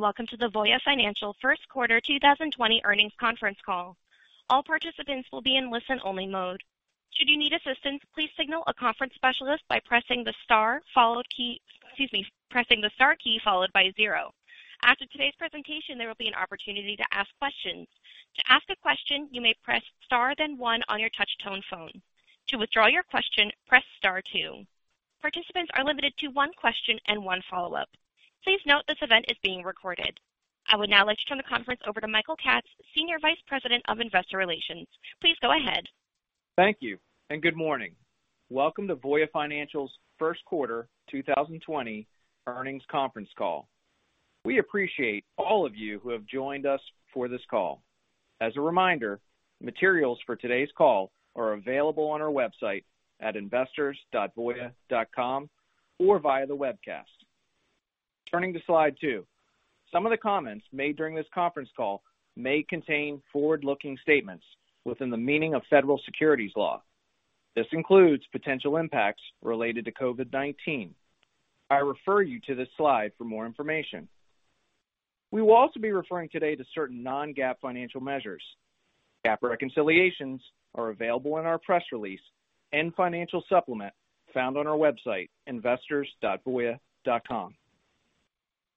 Good morning, and welcome to the Voya Financial first quarter 2020 earnings conference call. All participants will be in listen-only mode. Should you need assistance, please signal a conference specialist by pressing the star key followed by zero. After today's presentation, there will be an opportunity to ask questions. To ask a question, you may press star then one on your touch-tone phone. To withdraw your question, press star two. Participants are limited to one question and one follow-up. Please note this event is being recorded. I would now like to turn the conference over to Mike Katz, Senior Vice President of Investor Relations. Please go ahead. Thank you. Good morning. Welcome to Voya Financial's first quarter 2020 earnings conference call. We appreciate all of you who have joined us for this call. As a reminder, materials for today's call are available on our website at investors.voya.com or via the webcast. Turning to slide two, some of the comments made during this conference call may contain forward-looking statements within the meaning of federal securities law. This includes potential impacts related to COVID-19. I refer you to this slide for more information. We will also be referring today to certain non-GAAP financial measures. GAAP reconciliations are available in our press release and financial supplement found on our website, investors.voya.com.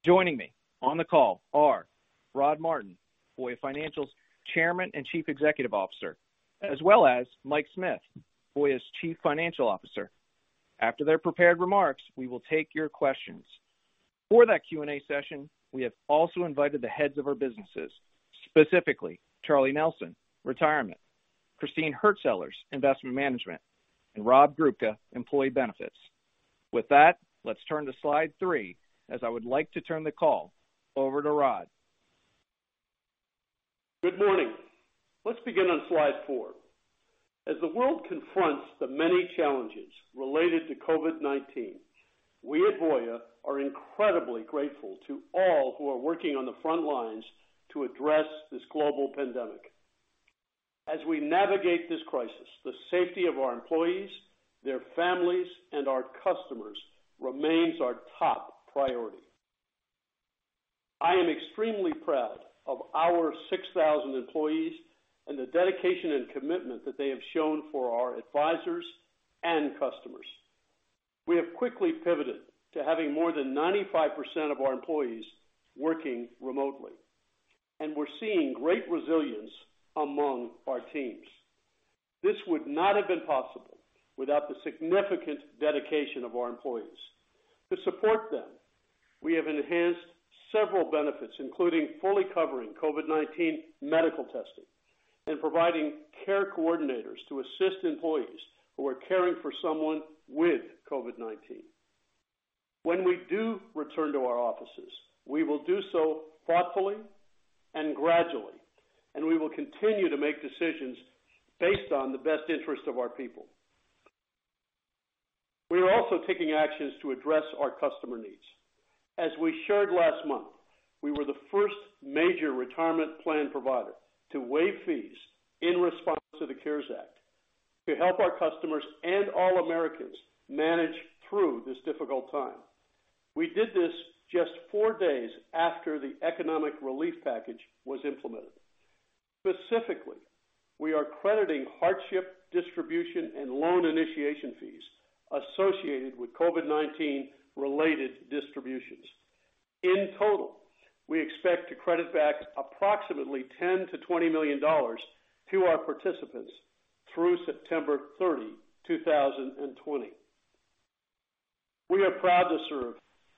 Joining me on the call are Rod Martin, Voya Financial's Chairman and Chief Executive Officer, as well as Mike Smith, Voya's Chief Financial Officer. After their prepared remarks, we will take your questions. For that Q&A session, we have also invited the heads of our businesses, specifically Charlie Nelson, Retirement, Christine Hurtsellers, Investment Management, and Rob Grubka, Employee Benefits. With that, let's turn to slide three, as I would like to turn the call over to Rod. Good morning. Let's begin on slide four. As the world confronts the many challenges related to COVID-19, we at Voya are incredibly grateful to all who are working on the front lines to address this global pandemic. As we navigate this crisis, the safety of our employees, their families, and our customers remains our top priority. I am extremely proud of our 6,000 employees and the dedication and commitment that they have shown for our advisors and customers. We have quickly pivoted to having more than 95% of our employees working remotely. We're seeing great resilience among our teams. This would not have been possible without the significant dedication of our employees. To support them, we have enhanced several benefits, including fully covering COVID-19 medical testing and providing care coordinators to assist employees who are caring for someone with COVID-19. When we do return to our offices, we will do so thoughtfully and gradually, and we will continue to make decisions based on the best interest of our people. We are also taking actions to address our customer needs. As we shared last month, we were the first major retirement plan provider to waive fees in response to the CARES Act to help our customers and all Americans manage through this difficult time. We did this just four days after the economic relief package was implemented. Specifically, we are crediting hardship distribution and loan initiation fees associated with COVID-19 related distributions. In total, we expect to credit back approximately $10 million-$20 million to our participants through September 30, 2020. We are proud to serve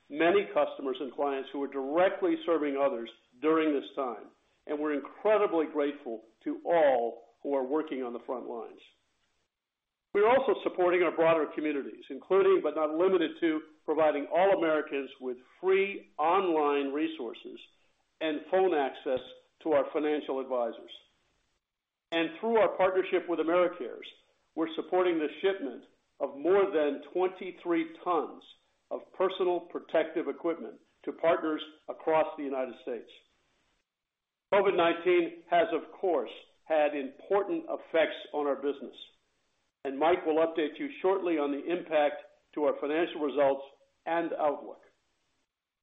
many customers and clients who are directly serving others during this time, and we're incredibly grateful to all who are working on the front lines. We are also supporting our broader communities, including but not limited to providing all Americans with free online resources and phone access to our financial advisors. Through our partnership with Americares, we're supporting the shipment of more than 23 tons of personal protective equipment to partners across the U.S. COVID-19 has, of course, had important effects on our business, and Mike will update you shortly on the impact to our financial results and outlook.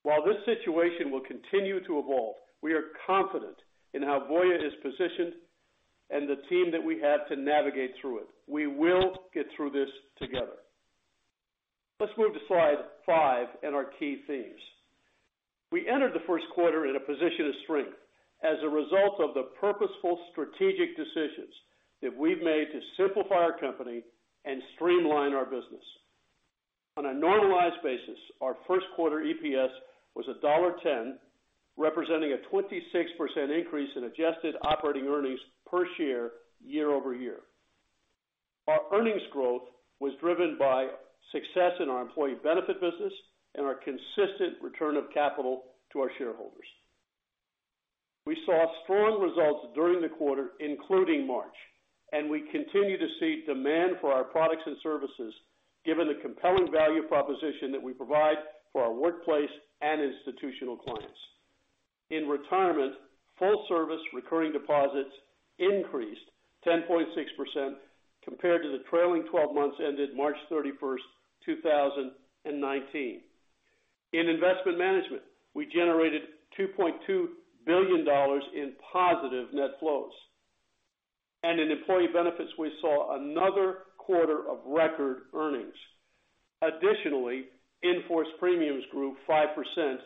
While this situation will continue to evolve, we are confident in how Voya is positioned and the team that we have to navigate through it. We will get through this together. Let's move to slide five and our key themes. We entered the first quarter in a position of strength as a result of the purposeful strategic decisions that we've made to simplify our company and streamline our business. On a normalized basis, our first quarter EPS was $1.10, representing a 26% increase in adjusted operating earnings per share year-over-year. Our earnings growth was driven by success in our Employee Benefits business and our consistent return of capital to our shareholders. We saw strong results during the quarter, including March, and we continue to see demand for our products and services given the compelling value proposition that we provide for our workplace and institutional clients. In retirement, full service recurring deposits increased 10.6% compared to the trailing 12 months ended March 31st, 2019. In Investment Management, we generated $2.2 billion in positive net flows. In Employee Benefits, we saw another quarter of record earnings. Additionally, in-force premiums grew 5%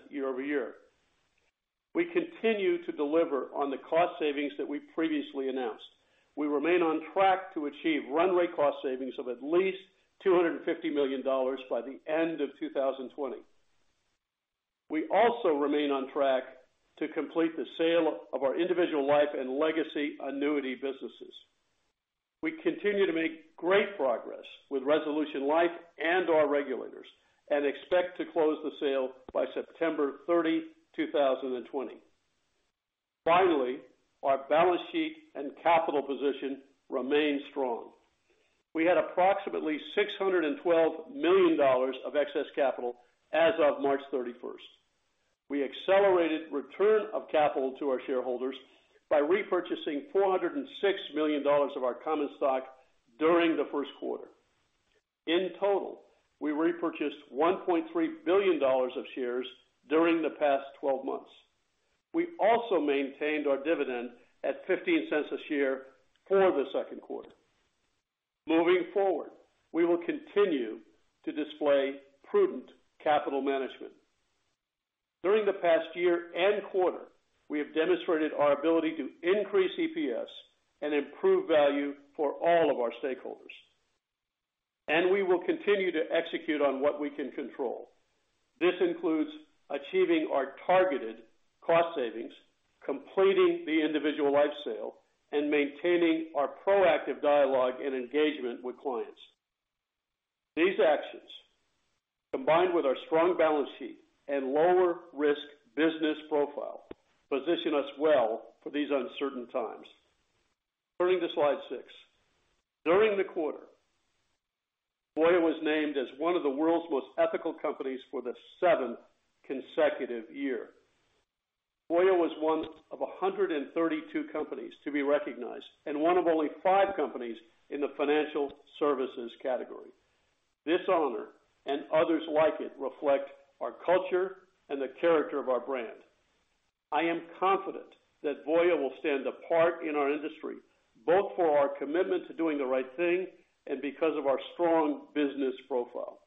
year-over-year. We continue to deliver on the cost savings that we previously announced. We remain on track to achieve runway cost savings of at least $250 million by the end of 2020. We also remain on track to complete the sale of our individual life and legacy annuity businesses. We continue to make great progress with Resolution Life and our regulators and expect to close the sale by September 30, 2020. Finally, our balance sheet and capital position remain strong. We had approximately $612 million of excess capital as of March 31st. We accelerated return of capital to our shareholders by repurchasing $406 million of our common stock during the first quarter. In total, we repurchased $1.3 billion of shares during the past 12 months. We also maintained our dividend at $0.15 a share for the second quarter. Moving forward, we will continue to display prudent capital management. During the past year and quarter, we have demonstrated our ability to increase EPS and improve value for all of our stakeholders. We will continue to execute on what we can control. This includes achieving our targeted cost savings, completing the individual life sale, and maintaining our proactive dialogue and engagement with clients. These actions, combined with our strong balance sheet and lower risk business profile, position us well for these uncertain times. Turning to slide six. During the quarter, Voya was named as one of the world's most ethical companies for the seventh consecutive year. Voya was one of 132 companies to be recognized, and one of only five companies in the financial services category. This honor and others like it reflect our culture and the character of our brand. I am confident that Voya will stand apart in our industry, both for our commitment to doing the right thing and because of our strong business profile.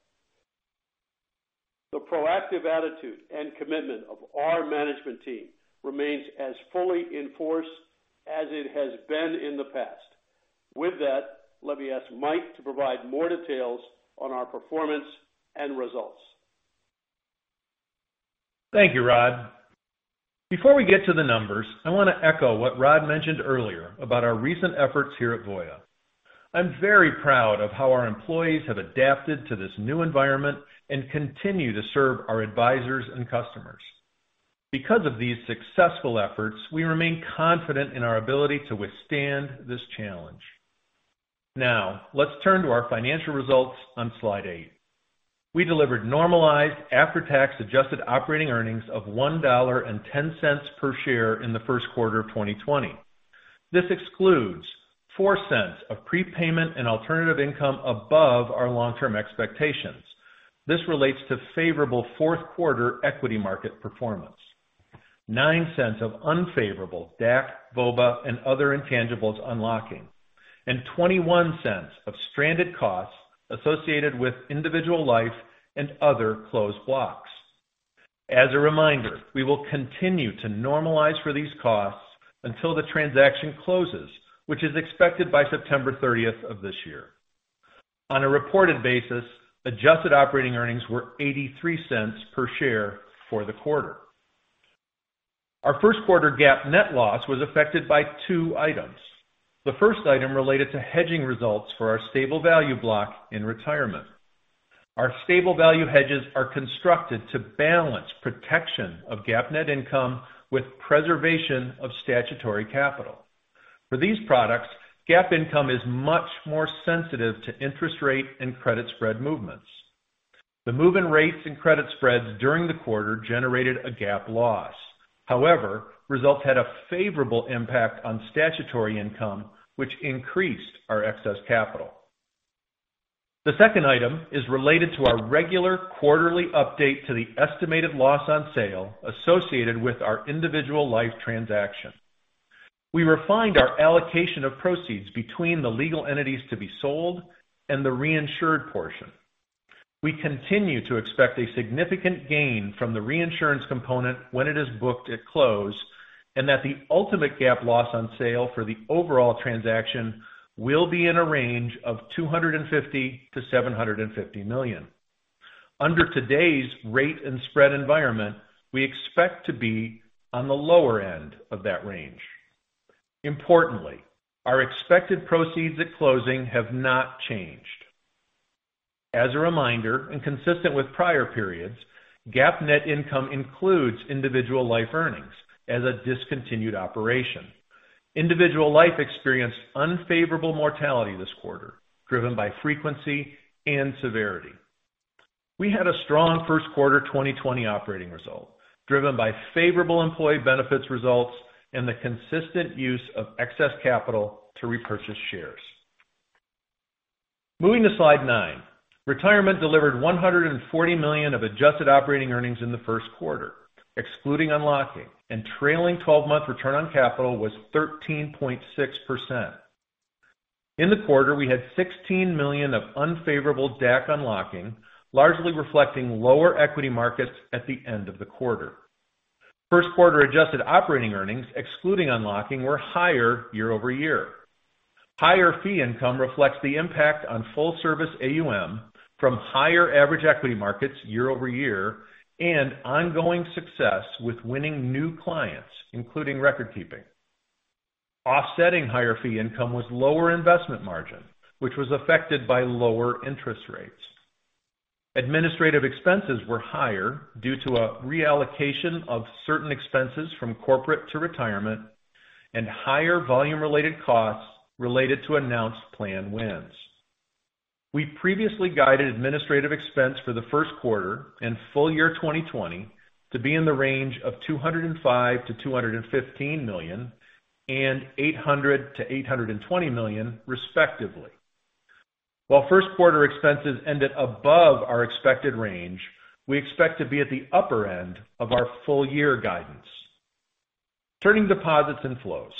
The proactive attitude and commitment of our management team remains as fully in force as it has been in the past. With that, let me ask Mike to provide more details on our performance and results. Thank you, Rod. Before we get to the numbers, I want to echo what Rod mentioned earlier about our recent efforts here at Voya. I'm very proud of how our employees have adapted to this new environment and continue to serve our advisors and customers. Because of these successful efforts, we remain confident in our ability to withstand this challenge. Now, let's turn to our financial results on slide eight. We delivered normalized after-tax adjusted operating earnings of $1.10 per share in the first quarter of 2020. This excludes $0.04 of prepayment and alternative income above our long-term expectations. This relates to favorable fourth quarter equity market performance. $0.09 of unfavorable DAC, VOBA, and other intangibles unlocking, and $0.21 of stranded costs associated with individual life and other closed blocks. As a reminder, we will continue to normalize for these costs until the transaction closes, which is expected by September 30th of this year. On a reported basis, adjusted operating earnings were $0.83 per share for the quarter. Our first quarter GAAP net loss was affected by two items. The first item related to hedging results for our stable value block in Retirement. Our stable value hedges are constructed to balance protection of GAAP net income with preservation of statutory capital. For these products, GAAP income is much more sensitive to interest rate and credit spread movements. The move in rates and credit spreads during the quarter generated a GAAP loss. However, results had a favorable impact on statutory income, which increased our excess capital. The second item is related to our regular quarterly update to the estimated loss on sale associated with our individual life transaction. We refined our allocation of proceeds between the legal entities to be sold and the reinsured portion. We continue to expect a significant gain from the reinsurance component when it is booked at close, and that the ultimate GAAP loss on sale for the overall transaction will be in a range of $250 million-$750 million. Under today's rate and spread environment, we expect to be on the lower end of that range. Importantly, our expected proceeds at closing have not changed. As a reminder, and consistent with prior periods, GAAP net income includes individual life earnings as a discontinued operation. Individual life experienced unfavorable mortality this quarter, driven by frequency and severity. We had a strong first quarter 2020 operating result, driven by favorable Employee Benefits results and the consistent use of excess capital to repurchase shares. Moving to slide nine. Retirement delivered $140 million of adjusted operating earnings in the first quarter, excluding unlocking, and trailing 12-month return on capital was 13.6%. In the quarter, we had $16 million of unfavorable DAC unlocking, largely reflecting lower equity markets at the end of the quarter. First quarter adjusted operating earnings, excluding unlocking, were higher year-over-year. Higher fee income reflects the impact on full service AUM from higher average equity markets year-over-year and ongoing success with winning new clients, including recordkeeping. Offsetting higher fee income was lower investment margin, which was affected by lower interest rates. Administrative expenses were higher due to a reallocation of certain expenses from corporate to Retirement and higher volume-related costs related to announced plan wins. We previously guided administrative expense for the first quarter and full year 2020 to be in the range of $205 million-$215 million and $800 million-$820 million, respectively. While first quarter expenses ended above our expected range, we expect to be at the upper end of our full year guidance. Turning deposits inflows.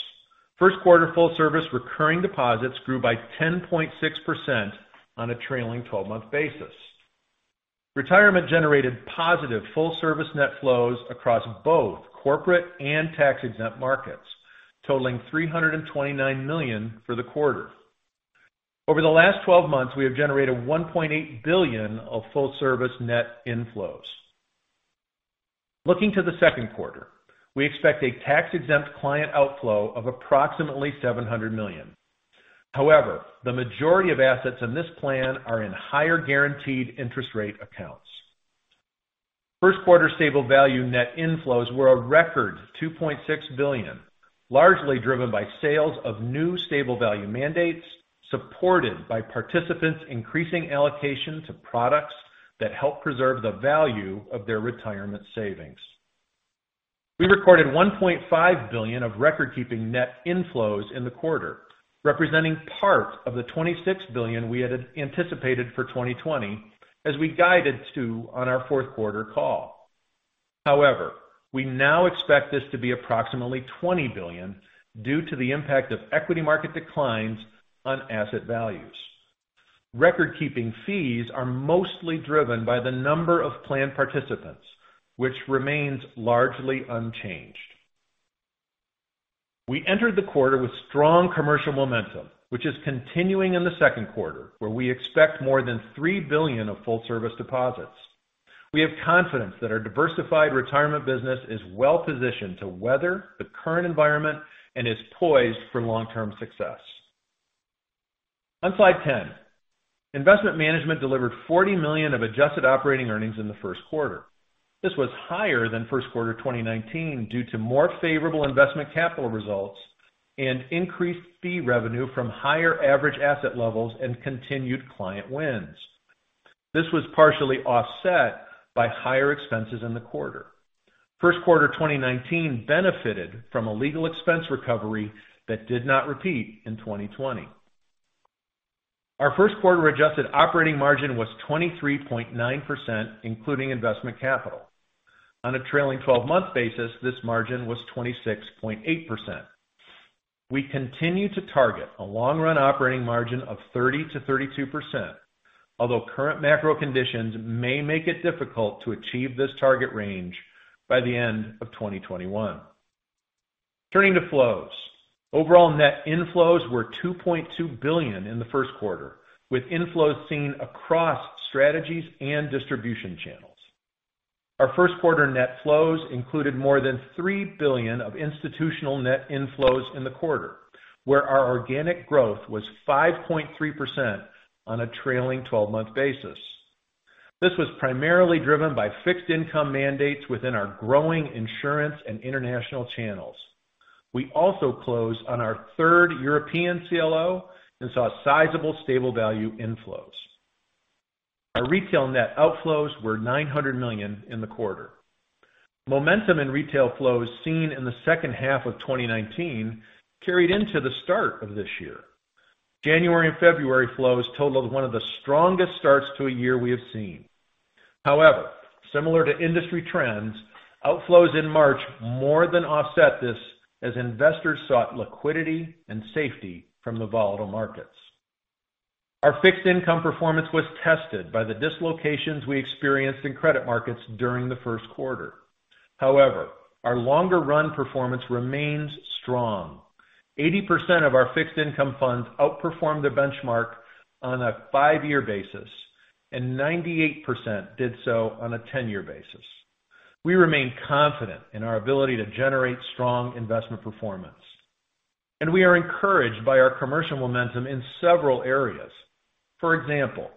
First quarter full service recurring deposits grew by 10.6% on a trailing 12-month basis. Retirement generated positive full service net flows across both corporate and tax-exempt markets, totaling $329 million for the quarter. Over the last 12 months, we have generated $1.8 billion of full service net inflows. Looking to the second quarter, we expect a tax-exempt client outflow of approximately $700 million. However, the majority of assets in this plan are in higher guaranteed interest rate accounts. First quarter stable value net inflows were a record $2.6 billion, largely driven by sales of new stable value mandates, supported by participants' increasing allocation to products that help preserve the value of their Retirement savings. We recorded $1.5 billion of recordkeeping net inflows in the quarter, representing part of the $26 billion we had anticipated for 2020, as we guided to on our fourth quarter call. However, we now expect this to be approximately $20 billion due to the impact of equity market declines on asset values. Recordkeeping fees are mostly driven by the number of plan participants, which remains largely unchanged. We entered the quarter with strong commercial momentum, which is continuing in the second quarter, where we expect more than $3 billion of full service deposits. We have confidence that our diversified Retirement business is well-positioned to weather the current environment and is poised for long-term success. On slide 10. Investment Management delivered $40 million of adjusted operating earnings in the first quarter. This was higher than first quarter 2019 due to more favorable investment capital results and increased fee revenue from higher average asset levels and continued client wins. This was partially offset by higher expenses in the quarter. First quarter 2019 benefited from a legal expense recovery that did not repeat in 2020. Our first quarter adjusted operating margin was 23.9%, including investment capital. On a trailing 12-month basis, this margin was 26.8%. We continue to target a long run operating margin of 30%-32%, although current macro conditions may make it difficult to achieve this target range by the end of 2021. Turning to flows. Overall net inflows were $2.2 billion in the first quarter, with inflows seen across strategies and distribution channels. Our first quarter net flows included more than $3 billion of institutional net inflows in the quarter, where our organic growth was 5.3% on a trailing 12-month basis. This was primarily driven by fixed income mandates within our growing insurance and international channels. We also closed on our third European CLO and saw sizable stable value inflows. Our retail net outflows were $900 million in the quarter. Momentum in retail flows seen in the second half of 2019 carried into the start of this year. January and February flows totaled one of the strongest starts to a year we have seen. Similar to industry trends, outflows in March more than offset this as investors sought liquidity and safety from the volatile markets. Our fixed income performance was tested by the dislocations we experienced in credit markets during the first quarter. Our longer run performance remains strong. 80% of our fixed income funds outperformed their benchmark on a 5-year basis, and 98% did so on a 10-year basis. We remain confident in our ability to generate strong investment performance, and we are encouraged by our commercial momentum in several areas. For example,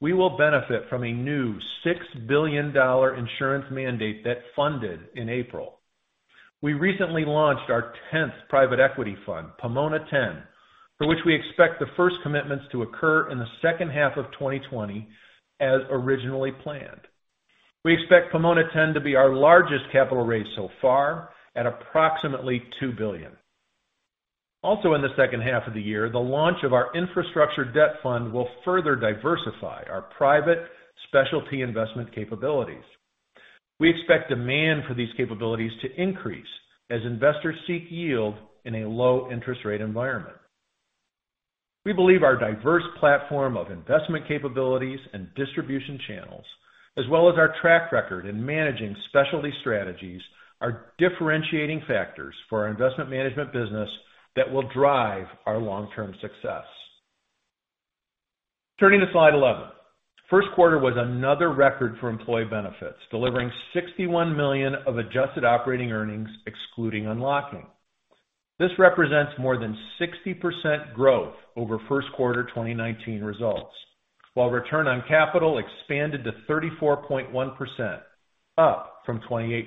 we will benefit from a new $6 billion insurance mandate that funded in April. We recently launched our 10th private equity fund, Pomona 10, for which we expect the first commitments to occur in the second half of 2020 as originally planned. We expect Pomona 10 to be our largest capital raise so far at approximately $2 billion. Also in the second half of the year, the launch of our infrastructure debt fund will further diversify our private specialty investment capabilities. We expect demand for these capabilities to increase as investors seek yield in a low-interest rate environment. We believe our diverse platform of investment capabilities and distribution channels, as well as our track record in managing specialty strategies, are differentiating factors for our Investment Management business that will drive our long-term success. Turning to slide 11. First quarter was another record for Employee Benefits, delivering $61 million of adjusted operating earnings excluding unlocking. This represents more than 60% growth over first quarter 2019 results. While return on capital expanded to 34.1%, up from 28%.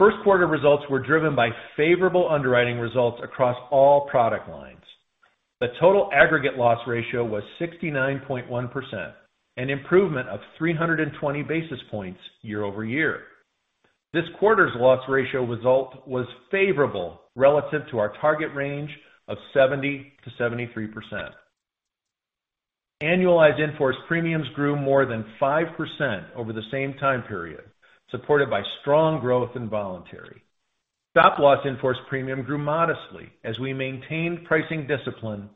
First quarter results were driven by favorable underwriting results across all product lines. The total aggregate loss ratio was 69.1%, an improvement of 320 basis points year-over-year. This quarter's loss ratio result was favorable relative to our target range of 70%-73%. Annualized in-force premiums grew more than 5% over the same time period, supported by strong growth in voluntary. Stop loss in-force premium grew modestly as we maintained pricing discipline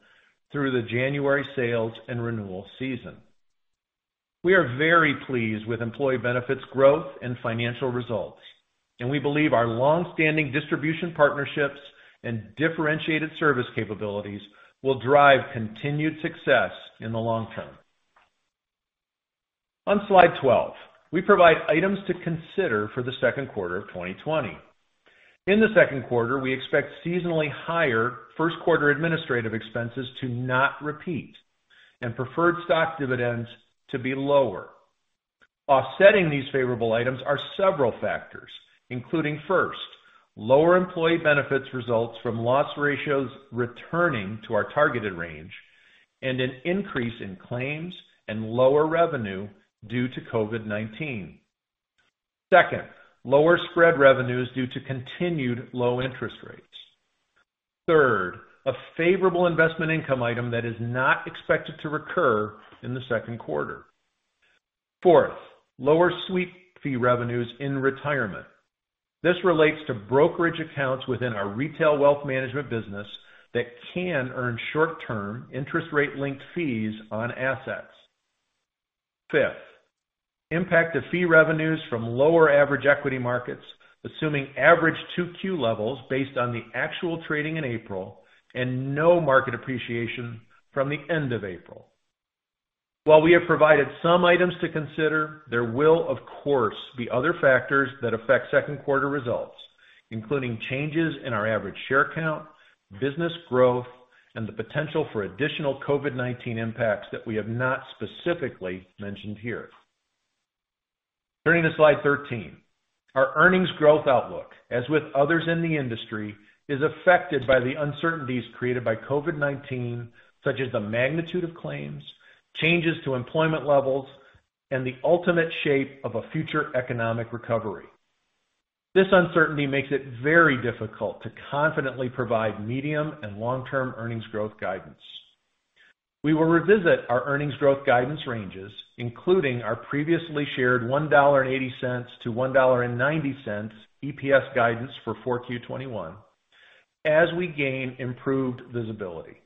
through the January sales and renewal season. We are very pleased with Employee Benefits growth and financial results, and we believe our longstanding distribution partnerships and differentiated service capabilities will drive continued success in the long term. On slide 12, we provide items to consider for the second quarter of 2020. In the second quarter, we expect seasonally higher first quarter administrative expenses to not repeat and preferred stock dividends to be lower. Offsetting these favorable items are several factors, including first, lower Employee Benefits results from loss ratios returning to our targeted range and an increase in claims and lower revenue due to COVID-19. Second, lower spread revenues due to continued low interest rates. Third, a favorable investment income item that is not expected to recur in the second quarter. Fourth, lower sweep fee revenues in Retirement. This relates to brokerage accounts within our Retail Wealth Management business that can earn short-term interest rate-linked fees on assets. Fifth, impact to fee revenues from lower average equity markets, assuming average 2Q levels based on the actual trading in April and no market appreciation from the end of April. While we have provided some items to consider, there will, of course, be other factors that affect second quarter results, including changes in our average share count, business growth, and the potential for additional COVID-19 impacts that we have not specifically mentioned here. Turning to slide 13. Our earnings growth outlook, as with others in the industry, is affected by the uncertainties created by COVID-19, such as the magnitude of claims, changes to employment levels, and the ultimate shape of a future economic recovery. This uncertainty makes it very difficult to confidently provide medium and long-term earnings growth guidance. We will revisit our earnings growth guidance ranges, including our previously shared $1.80 to $1.90 EPS guidance for 4Q21 as we gain improved visibility.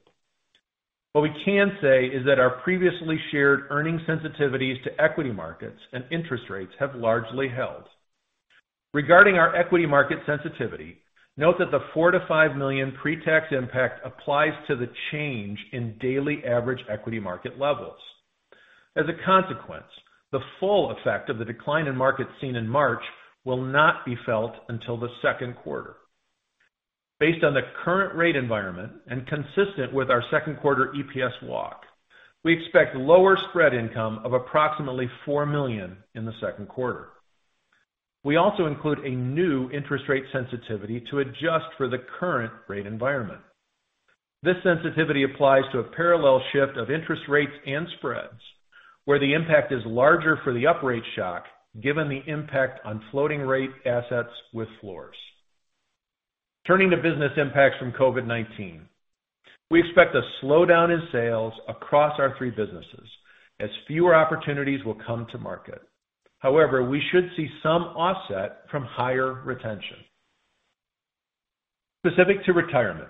What we can say is that our previously shared earning sensitivities to equity markets and interest rates have largely held. Regarding our equity market sensitivity, note that the $4 million-$5 million pre-tax impact applies to the change in daily average equity market levels. As a consequence, the full effect of the decline in market seen in March will not be felt until the second quarter. Based on the current rate environment and consistent with our second quarter EPS walk, we expect lower spread income of approximately $4 million in the second quarter. We also include a new interest rate sensitivity to adjust for the current rate environment. This sensitivity applies to a parallel shift of interest rates and spreads, where the impact is larger for the up rate shock given the impact on floating rate assets with floors. Turning to business impacts from COVID-19. We expect a slowdown in sales across our three businesses as fewer opportunities will come to market. However, we should see some offset from higher retention. Specific to Retirement,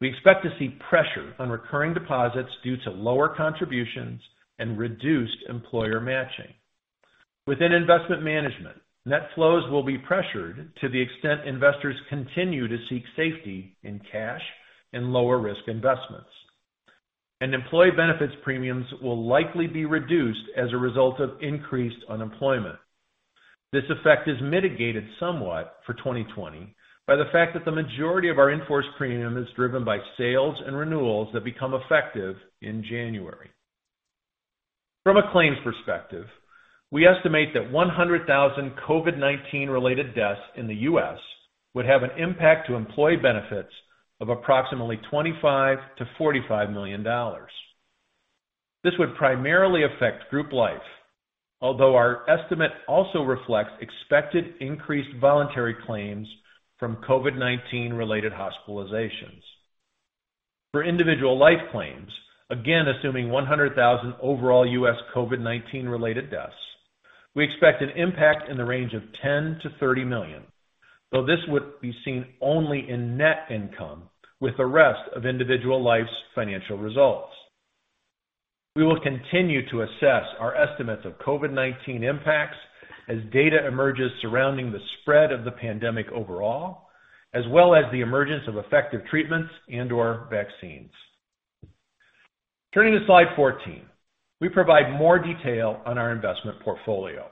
we expect to see pressure on recurring deposits due to lower contributions and reduced employer matching. Within Investment Management, net flows will be pressured to the extent investors continue to seek safety in cash and lower risk investments. Employee Benefits premiums will likely be reduced as a result of increased unemployment. This effect is mitigated somewhat for 2020 by the fact that the majority of our in-force premium is driven by sales and renewals that become effective in January. From a claims perspective, we estimate that 100,000 COVID-19 related deaths in the U.S. would have an impact to Employee Benefits of approximately $25 million-$45 million. This would primarily affect group life, although our estimate also reflects expected increased voluntary claims from COVID-19 related hospitalizations. For individual life claims, again assuming 100,000 overall U.S. COVID-19 related deaths, we expect an impact in the range of $10 million-$30 million, though this would be seen only in net income with the rest of individual life's financial results. We will continue to assess our estimates of COVID-19 impacts as data emerges surrounding the spread of the pandemic overall, as well as the emergence of effective treatments and/or vaccines. Turning to slide 14, we provide more detail on our investment portfolio.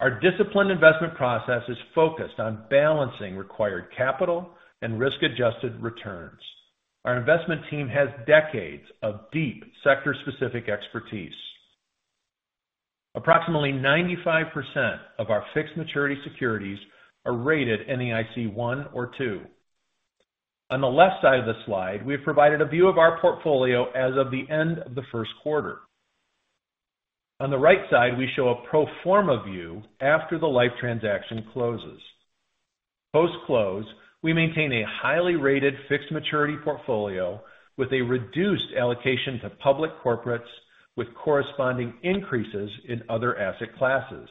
Our disciplined investment process is focused on balancing required capital and risk-adjusted returns. Our investment team has decades of deep sector-specific expertise. Approximately 95% of our fixed maturity securities are rated NAIC 1 or 2. On the left side of the slide, we have provided a view of our portfolio as of the end of the first quarter. On the right side, we show a pro forma view after the life transaction closes. Post-close, we maintain a highly rated fixed maturity portfolio with a reduced allocation to public corporates with corresponding increases in other asset classes.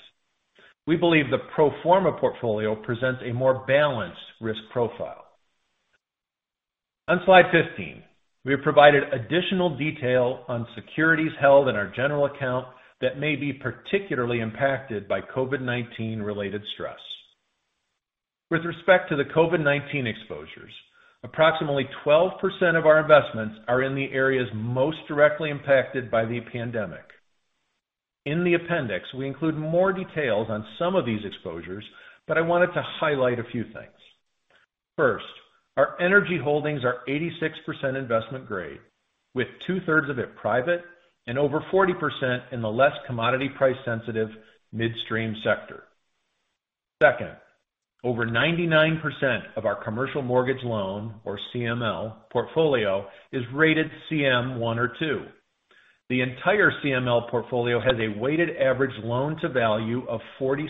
We believe the pro forma portfolio presents a more balanced risk profile. On slide 15, we have provided additional detail on securities held in our general account that may be particularly impacted by COVID-19 related stress. With respect to the COVID-19 exposures, approximately 12% of our investments are in the areas most directly impacted by the pandemic. In the appendix, we include more details on some of these exposures, but I wanted to highlight a few things. First, our energy holdings are 86% investment grade, with two-thirds of it private and over 40% in the less commodity price sensitive midstream sector. Second, over 99% of our commercial mortgage loan, or CML, portfolio is rated CM 1 or 2. The entire CML portfolio has a weighted average loan-to-value of 46%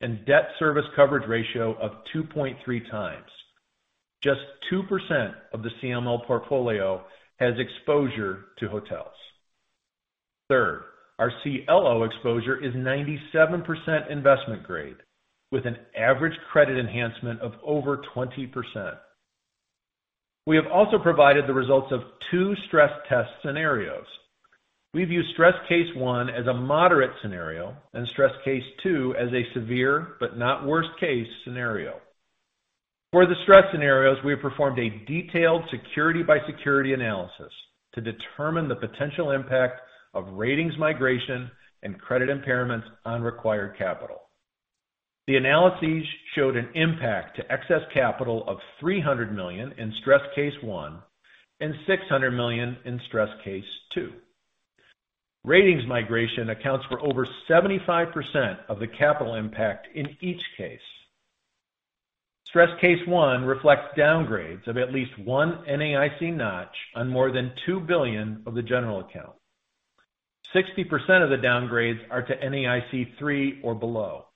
and debt service coverage ratio of 2.3 times. Just 2% of the CML portfolio has exposure to hotels. Third, our CLO exposure is 97% investment grade with an average credit enhancement of over 20%. We have also provided the results of two stress test scenarios. We view stress case one as a moderate scenario and stress case two as a severe but not worst case scenario. For the stress scenarios, we have performed a detailed security by security analysis to determine the potential impact of ratings migration and credit impairments on required capital. The analyses showed an impact to excess capital of $300 million in stress case one and $600 million in stress case two. Ratings migration accounts for over 75% of the capital impact in each case. Stress case one reflects downgrades of at least one NAIC notch on more than $2 billion of the general account. 60% of the downgrades are to NAIC 3 or below.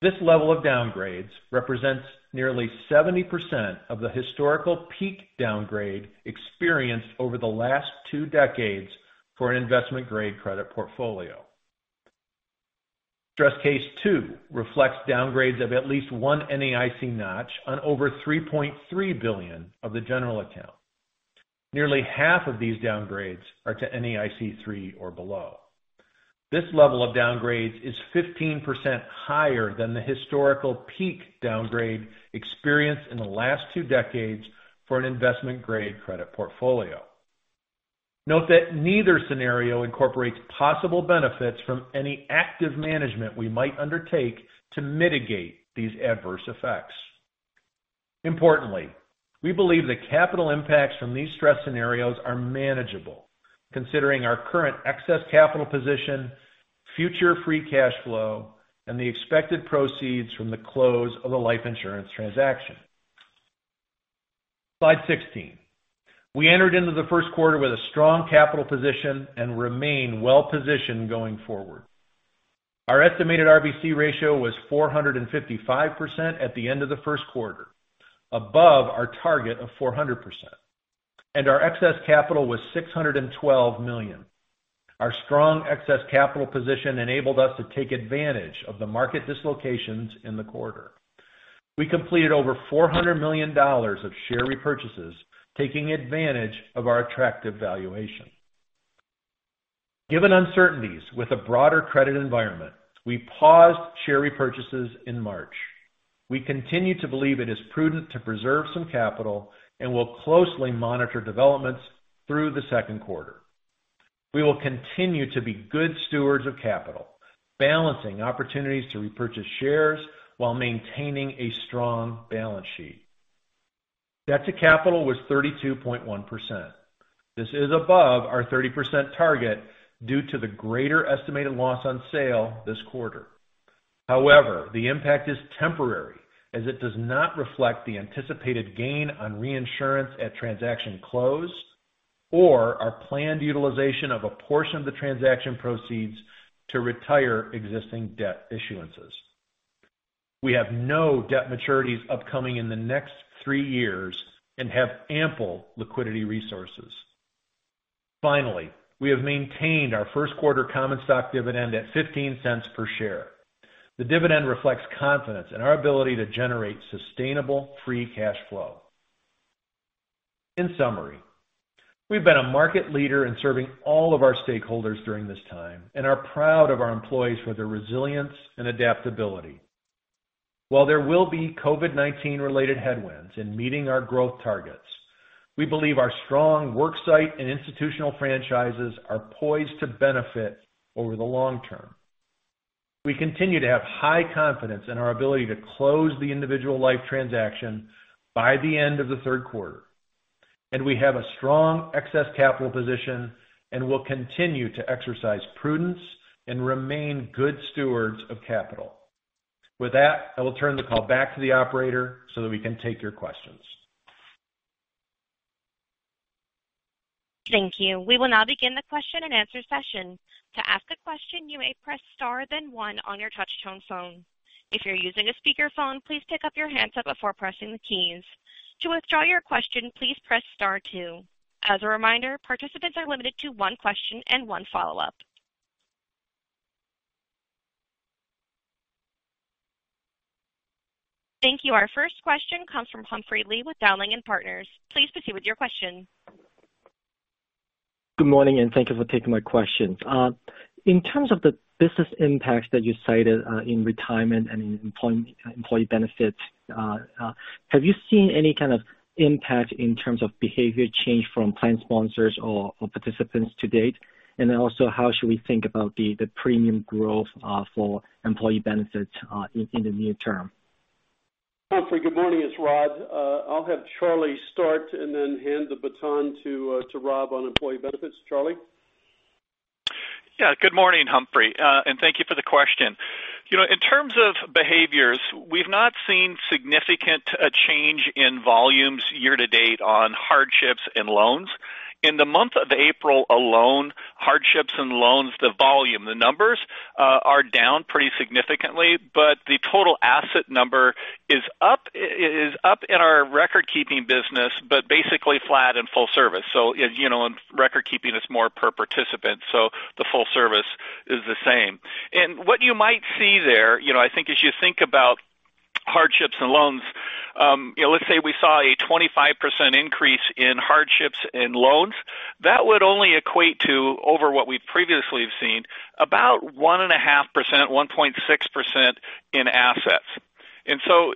This level of downgrades represents nearly 70% of the historical peak downgrade experienced over the last two decades for an investment-grade credit portfolio. Stress case two reflects downgrades of at least one NAIC notch on over $3.3 billion of the general account. Nearly half of these downgrades are to NAIC 3 or below. This level of downgrades is 15% higher than the historical peak downgrade experienced in the last two decades for an investment-grade credit portfolio. Note that neither scenario incorporates possible benefits from any active management we might undertake to mitigate these adverse effects. Importantly, we believe the capital impacts from these stress scenarios are manageable considering our current excess capital position, future free cash flow, and the expected proceeds from the close of the life insurance transaction. Slide 16. We entered into the first quarter with a strong capital position and remain well positioned going forward. Our estimated RBC ratio was 455% at the end of the first quarter, above our target of 400%, and our excess capital was $612 million. Our strong excess capital position enabled us to take advantage of the market dislocations in the quarter. We completed over $400 million of share repurchases, taking advantage of our attractive valuation. Given uncertainties with the broader credit environment, we paused share repurchases in March. We continue to believe it is prudent to preserve some capital and will closely monitor developments through the second quarter. We will continue to be good stewards of capital, balancing opportunities to repurchase shares while maintaining a strong balance sheet. Debt to capital was 32.1%. This is above our 30% target due to the greater estimated loss on sale this quarter. The impact is temporary as it does not reflect the anticipated gain on reinsurance at transaction close or our planned utilization of a portion of the transaction proceeds to retire existing debt issuances. We have no debt maturities upcoming in the next three years and have ample liquidity resources. We have maintained our first quarter common stock dividend at $0.15 per share. The dividend reflects confidence in our ability to generate sustainable free cash flow. We've been a market leader in serving all of our stakeholders during this time and are proud of our employees for their resilience and adaptability. While there will be COVID-19 related headwinds in meeting our growth targets, we believe our strong work site and institutional franchises are poised to benefit over the long term. We continue to have high confidence in our ability to close the individual life transaction by the end of the third quarter. We have a strong excess capital position and will continue to exercise prudence and remain good stewards of capital. With that, I will turn the call back to the operator so that we can take your questions. Thank you. We will now begin the question and answer session. To ask a question, you may press star then one on your touchtone phone. If you're using a speakerphone, please pick up your handset before pressing the keys. To withdraw your question, please press star two. As a reminder, participants are limited to one question and one follow-up. Thank you. Our first question comes from Humphrey Lee with Dowling & Partners. Please proceed with your question. Good morning, and thank you for taking my questions. In terms of the business impacts that you cited, in Retirement and in Employee Benefits, have you seen any kind of impact in terms of behavior change from plan sponsors or participants to date? How should we think about the premium growth for Employee Benefits in the near term? Humphrey, good morning. It's Rod. I'll have Charlie start and then hand the baton to Rob on Employee Benefits. Charlie? Yeah. Good morning, Humphrey, and thank you for the question. In terms of behaviors, we've not seen significant change in volumes year-to-date on hardships and loans. In the month of April alone, hardships and loans, the volume, the numbers are down pretty significantly, but the total asset number is up in our record-keeping business, but basically flat in full service. Record-keeping is more per participant, so the full service is the same. What you might see there, I think as you think about hardships and loans, let's say we saw a 25% increase in hardships and loans. That would only equate to over what we previously have seen about 1.5%, 1.6% in assets.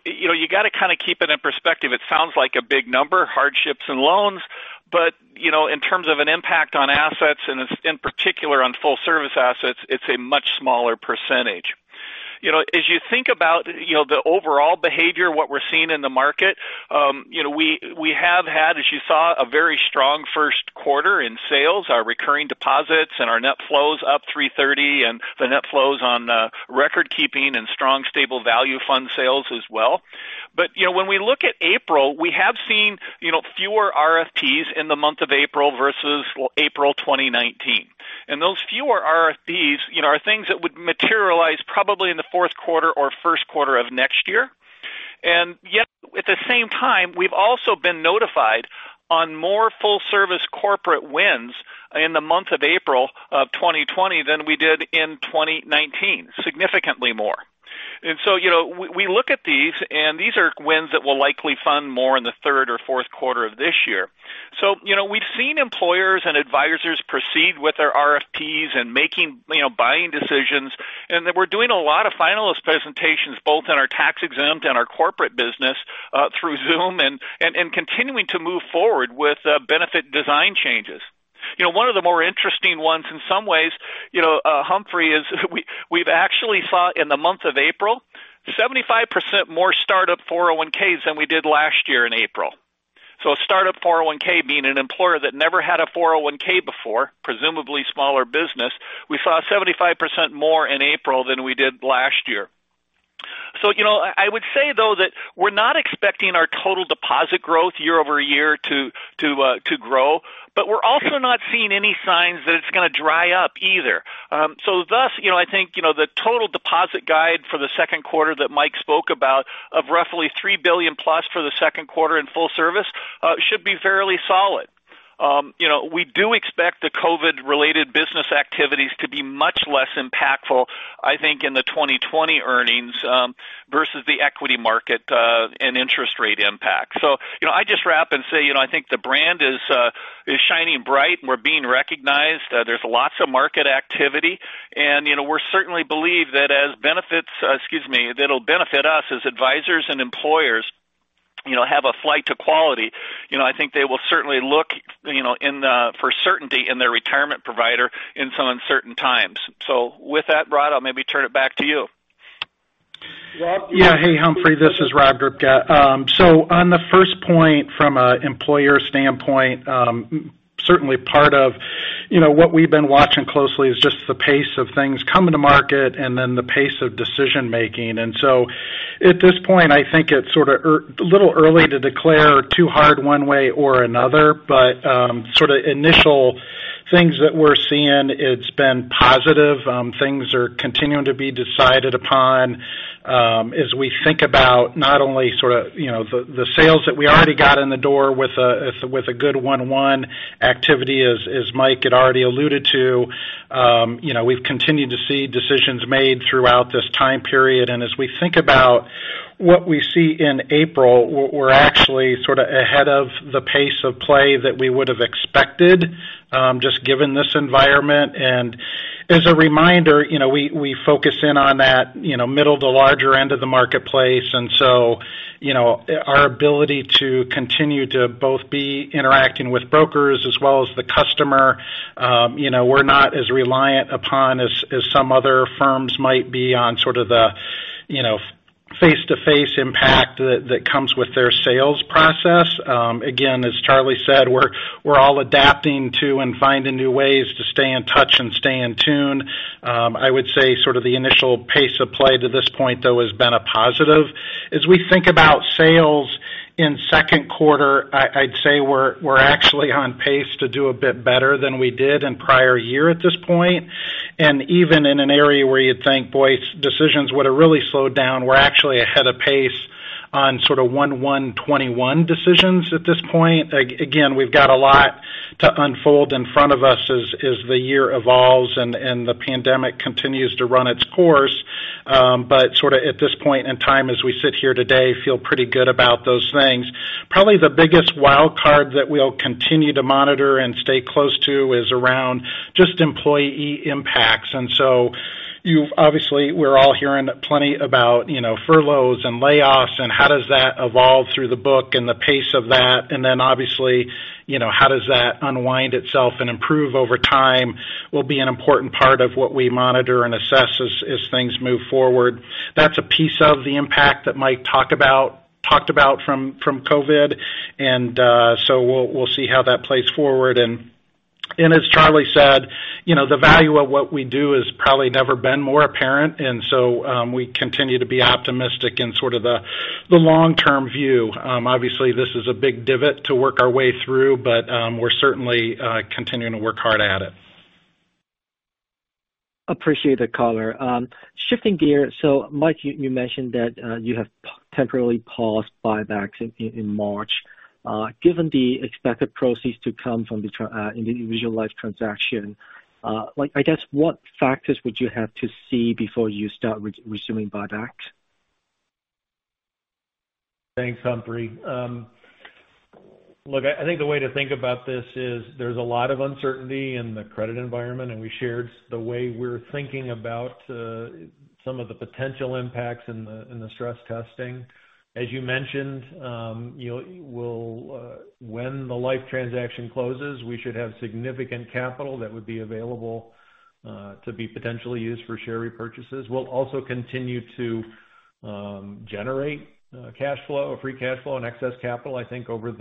You got to kind of keep it in perspective. It sounds like a big number, hardships and loans, but in terms of an impact on assets, and in particular on full service assets, it's a much smaller percentage. As you think about the overall behavior, what we're seeing in the market, we have had, as you saw, a very strong first quarter in sales, our recurring deposits and our net flows up 330, and the net flows on record-keeping and strong stable value fund sales as well. When we look at April, we have seen fewer RFPs in the month of April versus April 2019. Those fewer RFPs are things that would materialize probably in the fourth quarter or first quarter of next year. At the same time, we've also been notified on more full service corporate wins in the month of April of 2020 than we did in 2019, significantly more. We look at these, and these are wins that will likely fund more in the third or fourth quarter of this year. We've seen employers and advisors proceed with their RFPs and making buying decisions. We're doing a lot of finalist presentations, both in our tax-exempt and our corporate business, through Zoom and continuing to move forward with benefit design changes. One of the more interesting ones in some ways, Humphrey, is we've actually saw in the month of April, 75% more startup 401s than we did last year in April. A startup 401 being an employer that never had a 401 before, presumably smaller business, we saw 75% more in April than we did last year. I would say, though, that we're not expecting our total deposit growth year-over-year to grow, but we're also not seeing any signs that it's going to dry up either. Thus, I think, the total deposit guide for the second quarter that Mike spoke about of roughly $3 billion plus for the second quarter in full service, should be fairly solid. We do expect the COVID-19-related business activities to be much less impactful, I think, in the 2020 earnings, versus the equity market, and interest rate impact. I just wrap and say, I think the brand is shining bright and we're being recognized. There's lots of market activity, and we certainly believe that it'll benefit us as advisors and employers have a flight to quality. I think they will certainly look for certainty in their retirement provider in some uncertain times. With that, Rod, I'll maybe turn it back to you. Rob? Yeah. Hey, Humphrey, this is Rob Grubka. On the first point from an employer standpoint, certainly part of what we've been watching closely is just the pace of things coming to market and then the pace of decision-making. At this point, I think it's a little early to declare too hard one way or another, but initial things that we're seeing, it's been positive. Things are continuing to be decided upon as we think about not only the sales that we already got in the door with a good 1/1 activity, as Mike had already alluded to. We've continued to see decisions made throughout this time period, and as we think about what we see in April, we're actually ahead of the pace of play that we would have expected, just given this environment. As a reminder, we focus in on that middle to larger end of the marketplace. Our ability to continue to both be interacting with brokers as well as the customer, we're not as reliant upon as some other firms might be on the face-to-face impact that comes with their sales process. Again, as Charlie said, we're all adapting to and finding new ways to stay in touch and stay in tune. I would say the initial pace of play to this point, though, has been a positive. As we think about sales in second quarter, I'd say we're actually on pace to do a bit better than we did in prior year at this point. Even in an area where you'd think, boy, decisions would have really slowed down, we're actually ahead of pace on 1/1/2021 decisions at this point. Again, we've got a lot to unfold in front of us as the year evolves and the pandemic continues to run its course. At this point in time, as we sit here today, we feel pretty good about those things. Probably the biggest wild card that we'll continue to monitor and stay close to is around just employee impacts. Obviously, we're all hearing plenty about furloughs and layoffs and how does that evolve through the book and the pace of that. Then obviously, how does that unwind itself and improve over time will be an important part of what we monitor and assess as things move forward. That's a piece of the impact that Mike talked about from COVID. We'll see how that plays forward. As Charlie said, the value of what we do has probably never been more apparent. We continue to be optimistic in the long-term view. Obviously, this is a big divot to work our way through, but we're certainly continuing to work hard at it. Appreciate the color. Shifting gears. Mike, you mentioned that you have temporarily paused buybacks in March. Given the expected proceeds to come from the individual life transaction, I guess, what factors would you have to see before you start resuming buybacks? Thanks, Humphrey. Look, I think the way to think about this is there's a lot of uncertainty in the credit environment. We shared the way we're thinking about some of the potential impacts in the stress testing. As you mentioned, when the Life transaction closes, we should have significant capital that would be available to be potentially used for share repurchases. We'll also continue to generate free cash flow and excess capital, I think, over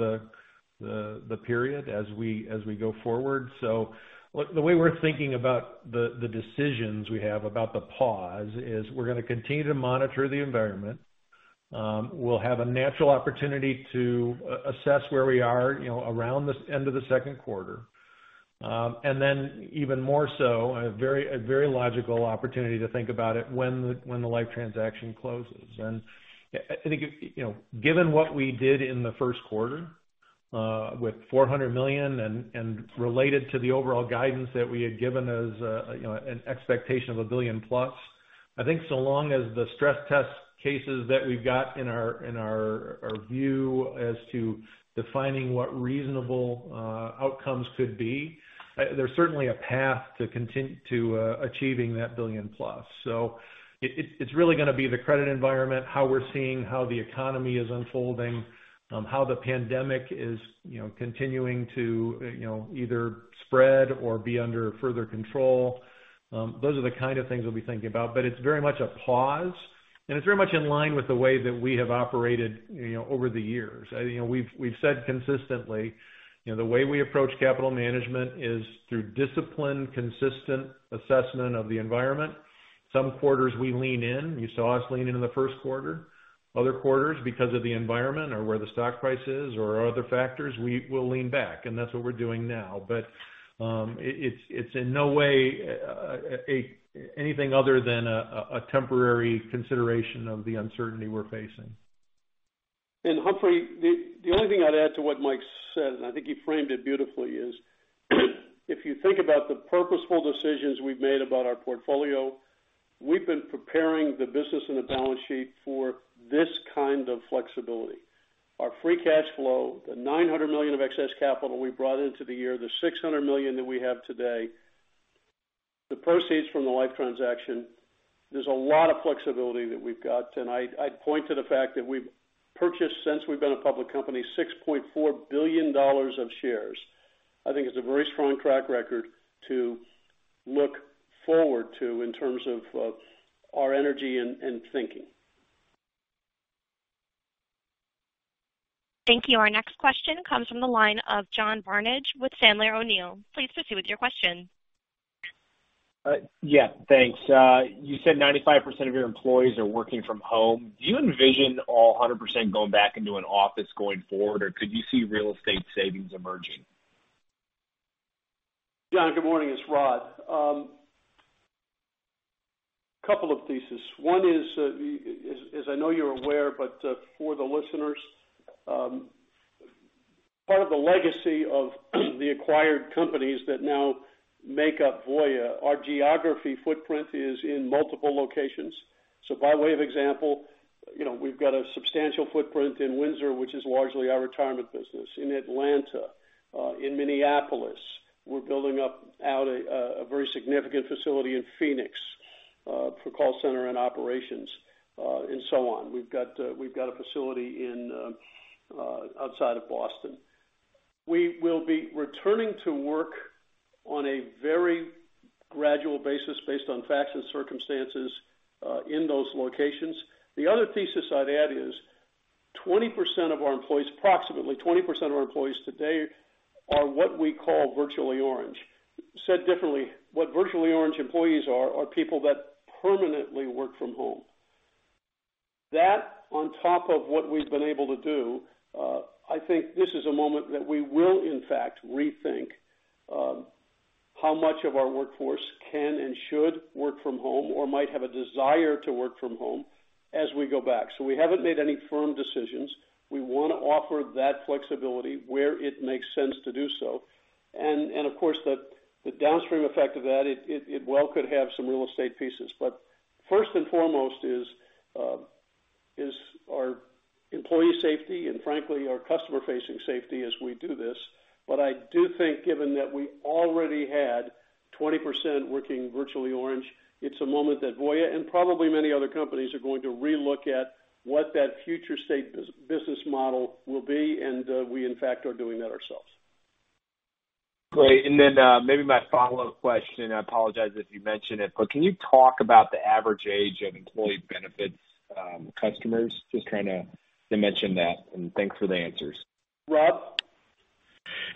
the period as we go forward. The way we're thinking about the decisions we have about the pause is we're going to continue to monitor the environment. We'll have a natural opportunity to assess where we are around the end of the second quarter. Then even more so, a very logical opportunity to think about it when the Life transaction closes. I think given what we did in the first quarter with $400 million and related to the overall guidance that we had given as an expectation of a billion-plus, I think so long as the stress test cases that we've got in our view as to defining what reasonable outcomes could be, there's certainly a path to achieving that billion-plus. It's really going to be the credit environment, how we're seeing how the economy is unfolding, how the pandemic is continuing to either spread or be under further control. Those are the kind of things that we think about. It's very much a pause, and it's very much in line with the way that we have operated over the years. We've said consistently the way we approach capital management is through disciplined, consistent assessment of the environment. Some quarters we lean in. You saw us lean in in the first quarter. Other quarters, because of the environment or where the stock price is or other factors, we will lean back, and that's what we're doing now. It's in no way anything other than a temporary consideration of the uncertainty we're facing. Humphrey, the only thing I'd add to what Mike said, and I think he framed it beautifully, is if you think about the purposeful decisions we've made about our portfolio, we've been preparing the business and the balance sheet for this kind of flexibility. Our free cash flow, the $900 million of excess capital we brought into the year, the $600 million that we have today, the proceeds from the Life transaction. There's a lot of flexibility that we've got, and I'd point to the fact that we've purchased, since we've been a public company, $6.4 billion of shares. I think it's a very strong track record to look forward to in terms of our energy and thinking. Thank you. Our next question comes from the line of John Barnidge with Sandler O'Neill. Please proceed with your question. Yeah, thanks. You said 95% of your employees are working from home. Do you envision all 100% going back into an office going forward, or could you see real estate savings emerging? John, good morning. It's Rod. Couple of theses. One is, as I know you're aware, but for the listeners, part of the legacy of the acquired companies that now make up Voya, our geography footprint is in multiple locations. By way of example, we've got a substantial footprint in Windsor, which is largely our Retirement business, in Atlanta, in Minneapolis. We're building up out a very significant facility in Phoenix for call center and operations, and so on. We've got a facility outside of Boston. We will be returning to work on a very gradual basis based on facts and circumstances in those locations. The other thesis I'd add is 20% of our employees, approximately 20% of our employees today are what we call Virtually Orange. Said differently, what Virtually Orange employees are people that permanently work from home. That on top of what we've been able to do, I think this is a moment that we will in fact rethink how much of our workforce can and should work from home or might have a desire to work from home as we go back. We haven't made any firm decisions. We want to offer that flexibility where it makes sense to do so. Of course, the downstream effect of that, it well could have some real estate pieces. First and foremost is our employee safety and frankly, our customer-facing safety as we do this. I do think given that we already had 20% working Virtually Orange, it's a moment that Voya and probably many other companies are going to re-look at what that future state business model will be, and we in fact are doing that ourselves. Great. Maybe my follow-up question, I apologize if you mentioned it, can you talk about the average age of Employee Benefits customers? Just trying to dimension that. Thanks for the answers. Rob?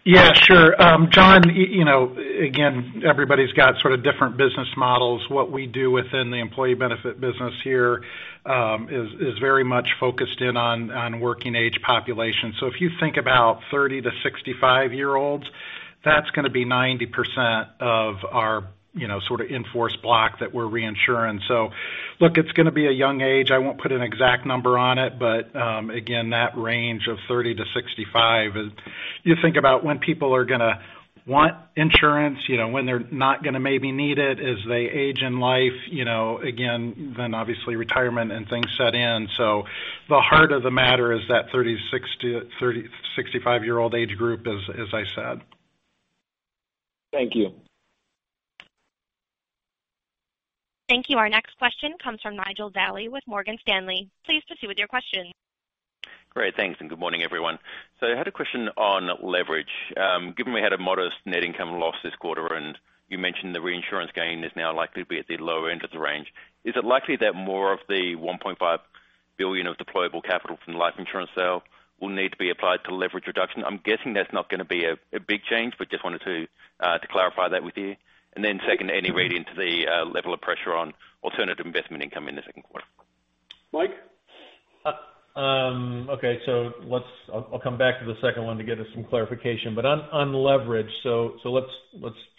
Yeah, sure. John, again, everybody's got sort of different business models. What we do within the Employee Benefits business here is very much focused in on working age population. If you think about 30 to 65-year-olds, that's going to be 90% of our in-force block that we're reinsuring. Look, it's going to be a young age. I won't put an exact number on it, but again, that range of 30 to 65 is. You think about when people are going to want insurance, when they're not going to maybe need it as they age in life, again, then obviously Retirement and things set in. The heart of the matter is that 30 to 65-year-old age group, as I said. Thank you. Thank you. Our next question comes from Nigel Dally with Morgan Stanley. Please proceed with your question. Great. Thanks, and good morning, everyone. I had a question on leverage. Given we had a modest net income loss this quarter, and you mentioned the reinsurance gain is now likely to be at the lower end of the range, is it likely that more of the $1.5 billion of deployable capital from the life insurance sale will need to be applied to leverage reduction? I'm guessing that's not going to be a big change, but just wanted to clarify that with you. Second, any read into the level of pressure on alternative investment income in the second quarter? Mike? Okay. I'll come back to the second one to give us some clarification, but on leverage, let's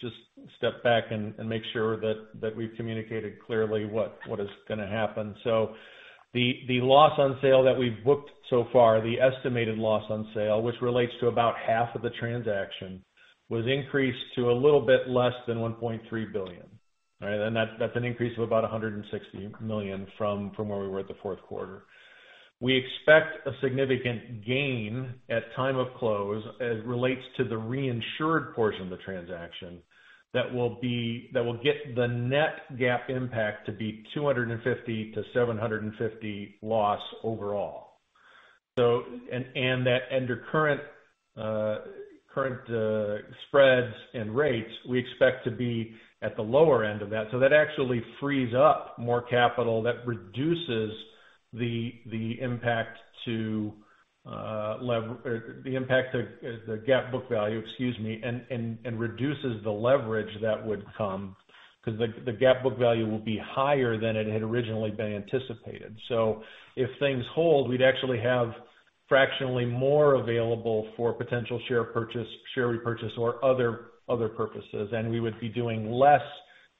just step back and make sure that we've communicated clearly what is going to happen. The loss on sale that we've booked so far, the estimated loss on sale, which relates to about half of the transaction, was increased to a little bit less than $1.3 billion. All right? That's an increase of about $160 million from where we were at the fourth quarter. We expect a significant gain at time of close as relates to the reinsured portion of the transaction that will get the net GAAP impact to be $250 to $750 loss overall. Under current spreads and rates, we expect to be at the lower end of that. That actually frees up more capital that reduces the impact to the GAAP book value, excuse me, and reduces the leverage that would come because the GAAP book value will be higher than it had originally been anticipated. If things hold, we'd actually have fractionally more available for potential share purchase, share repurchase, or other purposes, and we would be doing less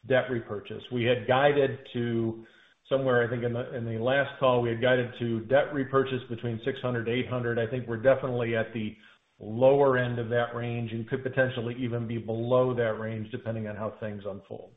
debt repurchase. We had guided to somewhere, I think in the last call, we had guided to debt repurchase between $600 to $800. I think we're definitely at the lower end of that range and could potentially even be below that range depending on how things unfold.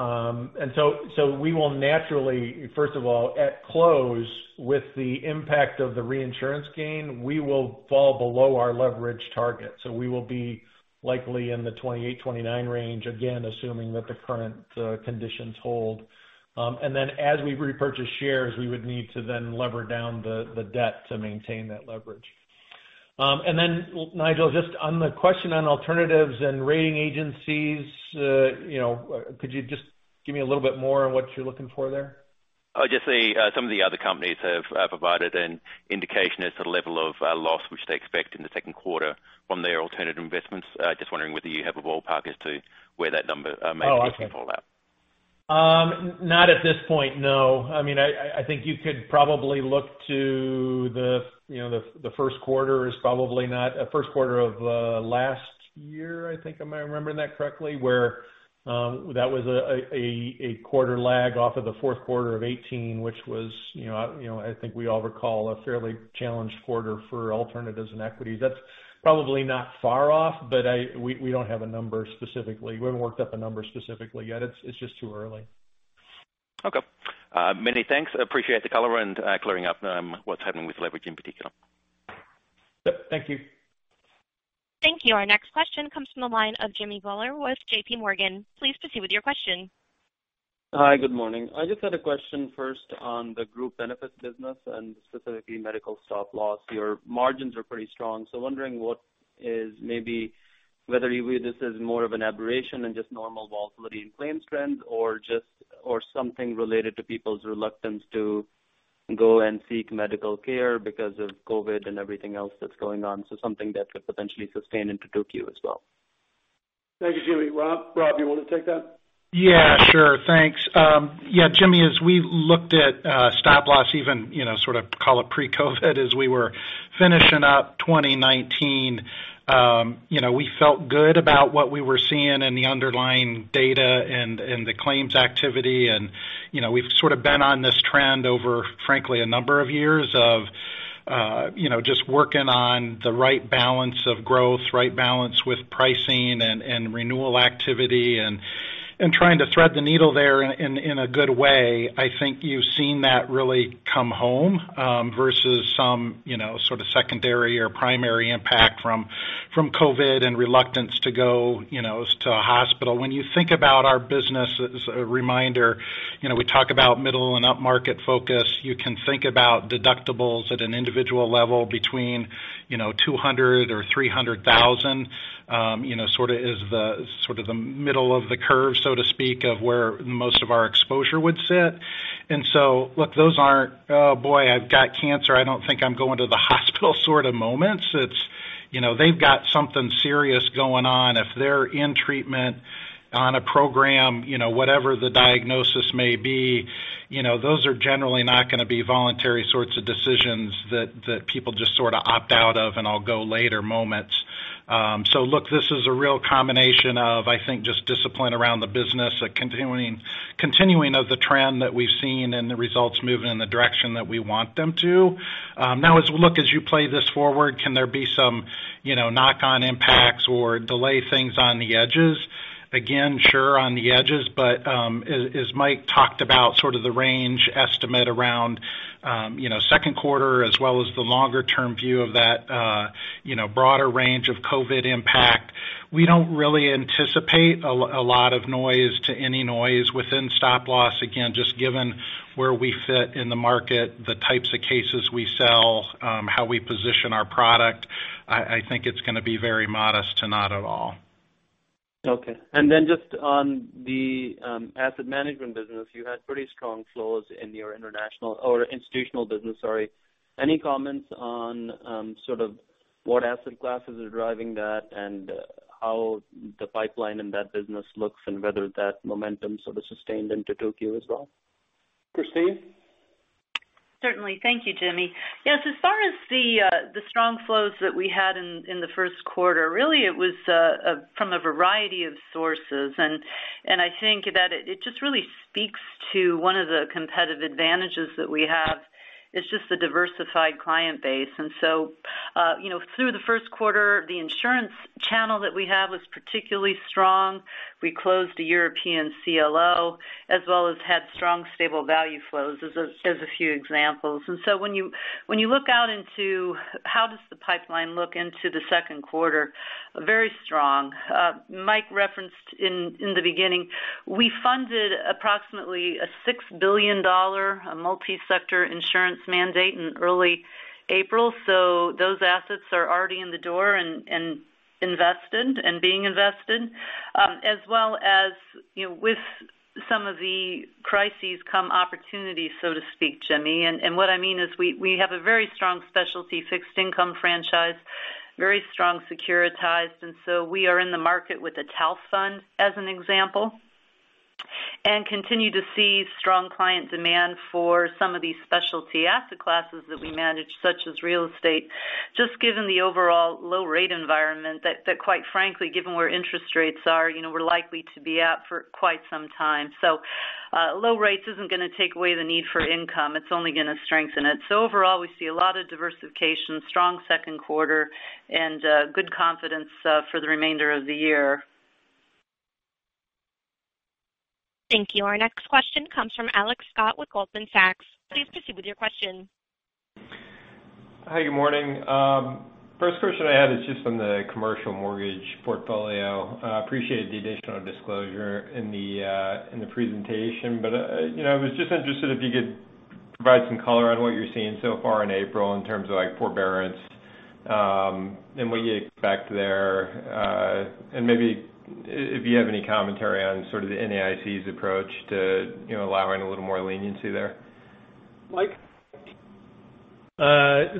Okay? We will naturally, first of all, at close with the impact of the reinsurance gain, we will fall below our leverage target. We will be likely in the 28, 29 range, again, assuming that the current conditions hold. As we repurchase shares, we would need to then lever down the debt to maintain that leverage. Nigel, just on the question on alternatives and rating agencies, could you just give me a little bit more on what you're looking for there? Just some of the other companies have provided an indication as to the level of loss which they expect in the second quarter from their alternative investments. Just wondering whether you have a ballpark as to where that number. Okay. Fall out. Not at this point, no. I think you could probably look to the first quarter of last year, I think I'm remembering that correctly, where that was a quarter lag off of the fourth quarter of 2018, which was, I think we all recall, a fairly challenged quarter for alternatives and equities. That's probably not far off, but we don't have a number specifically. We haven't worked up a number specifically yet. It's just too early. Okay. Many thanks. Appreciate the color and clearing up what's happening with leverage in particular. Yep. Thank you. Thank you. Our next question comes from the line of Jimmy Bhullar with J.P. Morgan. Please proceed with your question. Hi. Good morning. I just had a question first on the group benefits business, and specifically medical stop loss. Your margins are pretty strong, wondering what is maybe whether you view this as more of an aberration than just normal volatility in claims trends, or something related to people's reluctance to go and seek medical care because of COVID-19 and everything else that's going on, something that could potentially sustain into 2Q as well. Thank you, Jimmy. Rob, you want to take that? Yeah, sure. Thanks. Yeah, Jimmy, as we looked at stop loss even, sort of call it pre-COVID-19, as we were finishing up 2019, we felt good about what we were seeing in the underlying data and the claims activity. We've sort of been on this trend over, frankly, a number of years of just working on the right balance of growth, right balance with pricing and renewal activity, and trying to thread the needle there in a good way. I think you've seen that really come home, versus some sort of secondary or primary impact from COVID-19 and reluctance to go to a hospital. When you think about our business, as a reminder, we talk about middle and upmarket focus. You can think about deductibles at an individual level between $200,000 or $300,000, sort of the middle of the curve, so to speak, of where most of our exposure would sit. Look, those aren't, "Oh boy, I've got cancer. I don't think I'm going to the hospital," sort of moments. They've got something serious going on. If they're in treatment on a program, whatever the diagnosis may be, those are generally not going to be voluntary sorts of decisions that people just sort of opt out of and I'll go later moments. Look, this is a real combination of, I think, just discipline around the business, a continuing of the trend that we've seen and the results moving in the direction that we want them to. Now as we look, as you play this forward, can there be some knock-on impacts or delay things on the edges? Sure, on the edges. As Mike talked about sort of the range estimate around second quarter as well as the longer-term view of that broader range of COVID impact, we don't really anticipate a lot of noise to any noise within stop loss. Again, just given where we fit in the market, the types of cases we sell, how we position our product, I think it's going to be very modest to not at all. Okay. Just on the asset management business, you had pretty strong flows in your international or institutional business, sorry. Any comments on sort of what asset classes are driving that, and how the pipeline in that business looks, and whether that momentum sort of sustained into 2Q as well? Christine? Certainly. Thank you, Jimmy. As far as the strong flows that we had in the first quarter, really, it was from a variety of sources. I think that it just really speaks to one of the competitive advantages that we have, is just the diversified client base. Through the first quarter, the insurance channel that we have was particularly strong. We closed a European CLO as well as had strong stable value flows, as a few examples. When you look out into how does the pipeline look into the second quarter, very strong. Mike referenced in the beginning, we funded approximately a $6 billion multi-sector insurance mandate in early April, so those assets are already in the door and invested and being invested. As well as with some of the crises come opportunities, so to speak, Jimmy. What I mean is we have a very strong specialty fixed income franchise, very strong securitized. We are in the market with the TALF fund, as an example, and continue to see strong client demand for some of these specialty asset classes that we manage, such as real estate, just given the overall low rate environment that quite frankly, given where interest rates are, we're likely to be at for quite some time. Low rates isn't going to take away the need for income. It's only going to strengthen it. Overall, we see a lot of diversification, strong second quarter, and good confidence for the remainder of the year. Thank you. Our next question comes from Alex Scott with Goldman Sachs. Please proceed with your question. Hi, good morning. First question I had is just on the commercial mortgage portfolio. I appreciate the additional disclosure in the presentation, but I was just interested if you could provide some color on what you're seeing so far in April in terms of forbearance, and what you expect there. Maybe if you have any commentary on sort of the NAIC's approach to allowing a little more leniency there. Mike?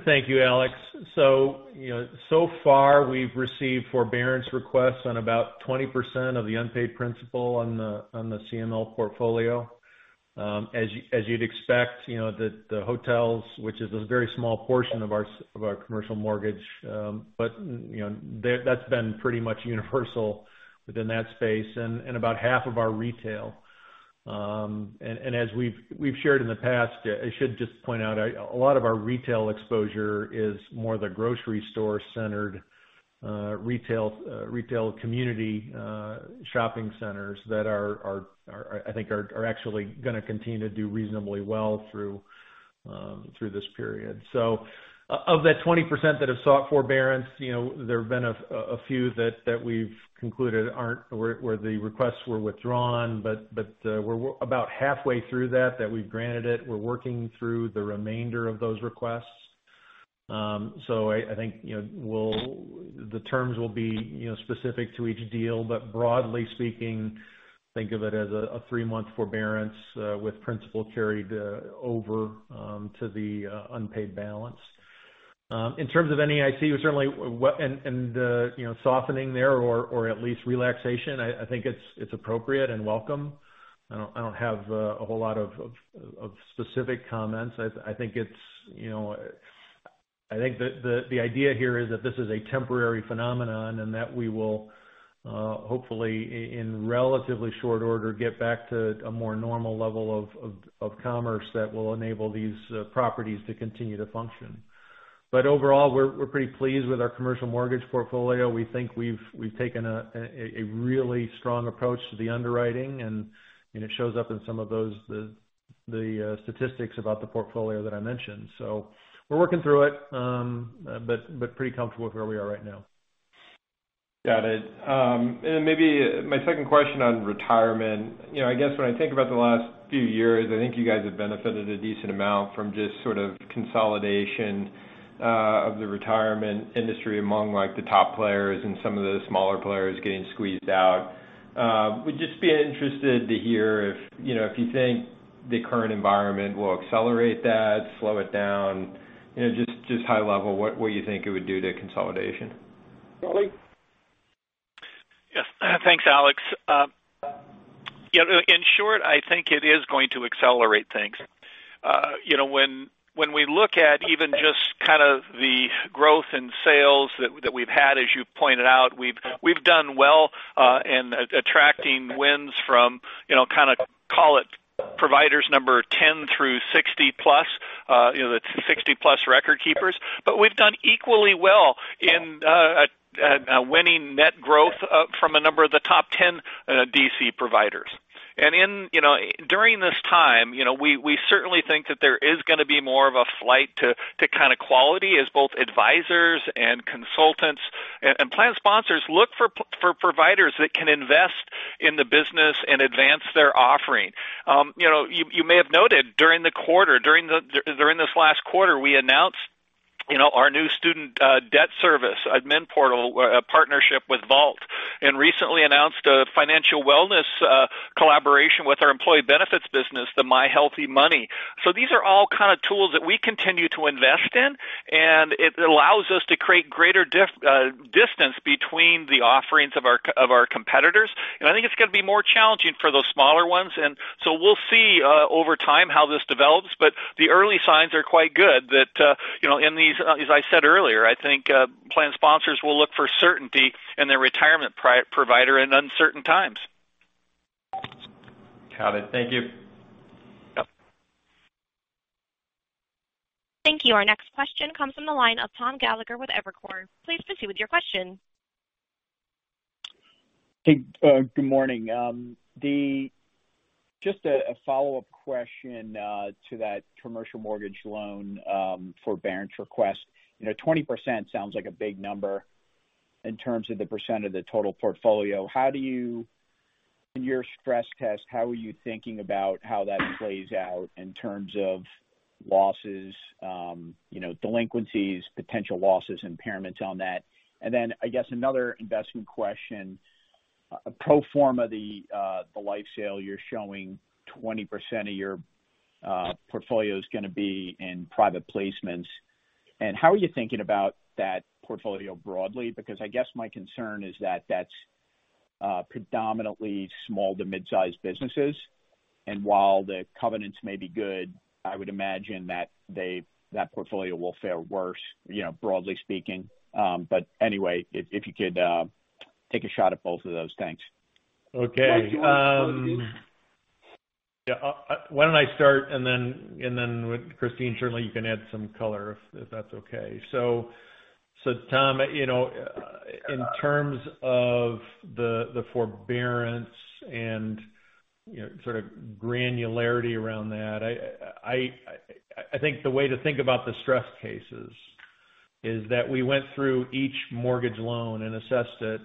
Thank you, Alex. So far, we've received forbearance requests on about 20% of the unpaid principal on the CML portfolio. As you'd expect, the hotels, which is a very small portion of our commercial mortgage. That's been pretty much universal within that space, and about half of our retail. As we've shared in the past, I should just point out, a lot of our retail exposure is more the grocery store-centered retail community shopping centers that I think are actually going to continue to do reasonably well through this period. Of that 20% that have sought forbearance, there have been a few that we've concluded where the requests were withdrawn, but we're about halfway through that we've granted it. We're working through the remainder of those requests. I think the terms will be specific to each deal, but broadly speaking, think of it as a three-month forbearance with principal carried over to the unpaid balance. In terms of NAIC, certainly, and softening there or at least relaxation, I think it's appropriate and welcome. I don't have a whole lot of specific comments. I think the idea here is that this is a temporary phenomenon and that we will hopefully, in relatively short order, get back to a more normal level of commerce that will enable these properties to continue to function. Overall, we're pretty pleased with our commercial mortgage portfolio. We think we've taken a really strong approach to the underwriting, and it shows up in some of the statistics about the portfolio that I mentioned. We're working through it, but pretty comfortable with where we are right now. Got it. Maybe my second question on Retirement. I guess when I think about the last few years, I think you guys have benefited a decent amount from just sort of consolidation of the Retirement industry among the top players and some of the smaller players getting squeezed out. Would just be interested to hear if you think the current environment will accelerate that, slow it down. Just high level, what you think it would do to consolidation? Charlie? Yes. Thanks, Alex. In short, I think it is going to accelerate things. When we look at even just kind of the growth in sales that we've had, as you pointed out, we've done well in attracting wins from kind of call it providers number 10 through 60-plus, the 60-plus record keepers. We've done equally well in winning net growth from a number of the top 10 DC providers. During this time, we certainly think that there is going to be more of a flight to kind of quality as both advisors and consultants and plan sponsors look for providers that can invest in the business and advance their offering. You may have noted during this last quarter, we announced our new student debt service admin portal partnership with Vault and recently announced a financial wellness collaboration with our Employee Benefits business, the myHealthMoney. These are all kind of tools that we continue to invest in, and it allows us to create greater distance between the offerings of our competitors. I think it's going to be more challenging for those smaller ones, we'll see over time how this develops, but the early signs are quite good that as I said earlier, I think plan sponsors will look for certainty in their retirement provider in uncertain times. Got it. Thank you. Yep. Thank you. Our next question comes from the line of Thomas Gallagher with Evercore. Please proceed with your question. Hey, good morning. Just a follow-up question to that commercial mortgage loan forbearance request. 20% sounds like a big number in terms of the percent of the total portfolio. In your stress test, how are you thinking about how that plays out in terms of losses, delinquencies, potential losses, impairments on that? I guess another investment question. A pro forma, the life sale you're showing 20% of your portfolio's going to be in private placements. How are you thinking about that portfolio broadly? I guess my concern is that that's predominantly small to mid-sized businesses. While the covenants may be good, I would imagine that portfolio will fare worse broadly speaking. Anyway, if you could take a shot at both of those. Thanks. Okay. Why don't I start, and then Christine, certainly you can add some color if that's okay. Tom, in terms of the forbearance and sort of granularity around that, I think the way to think about the stress cases is that we went through each mortgage loan and assessed it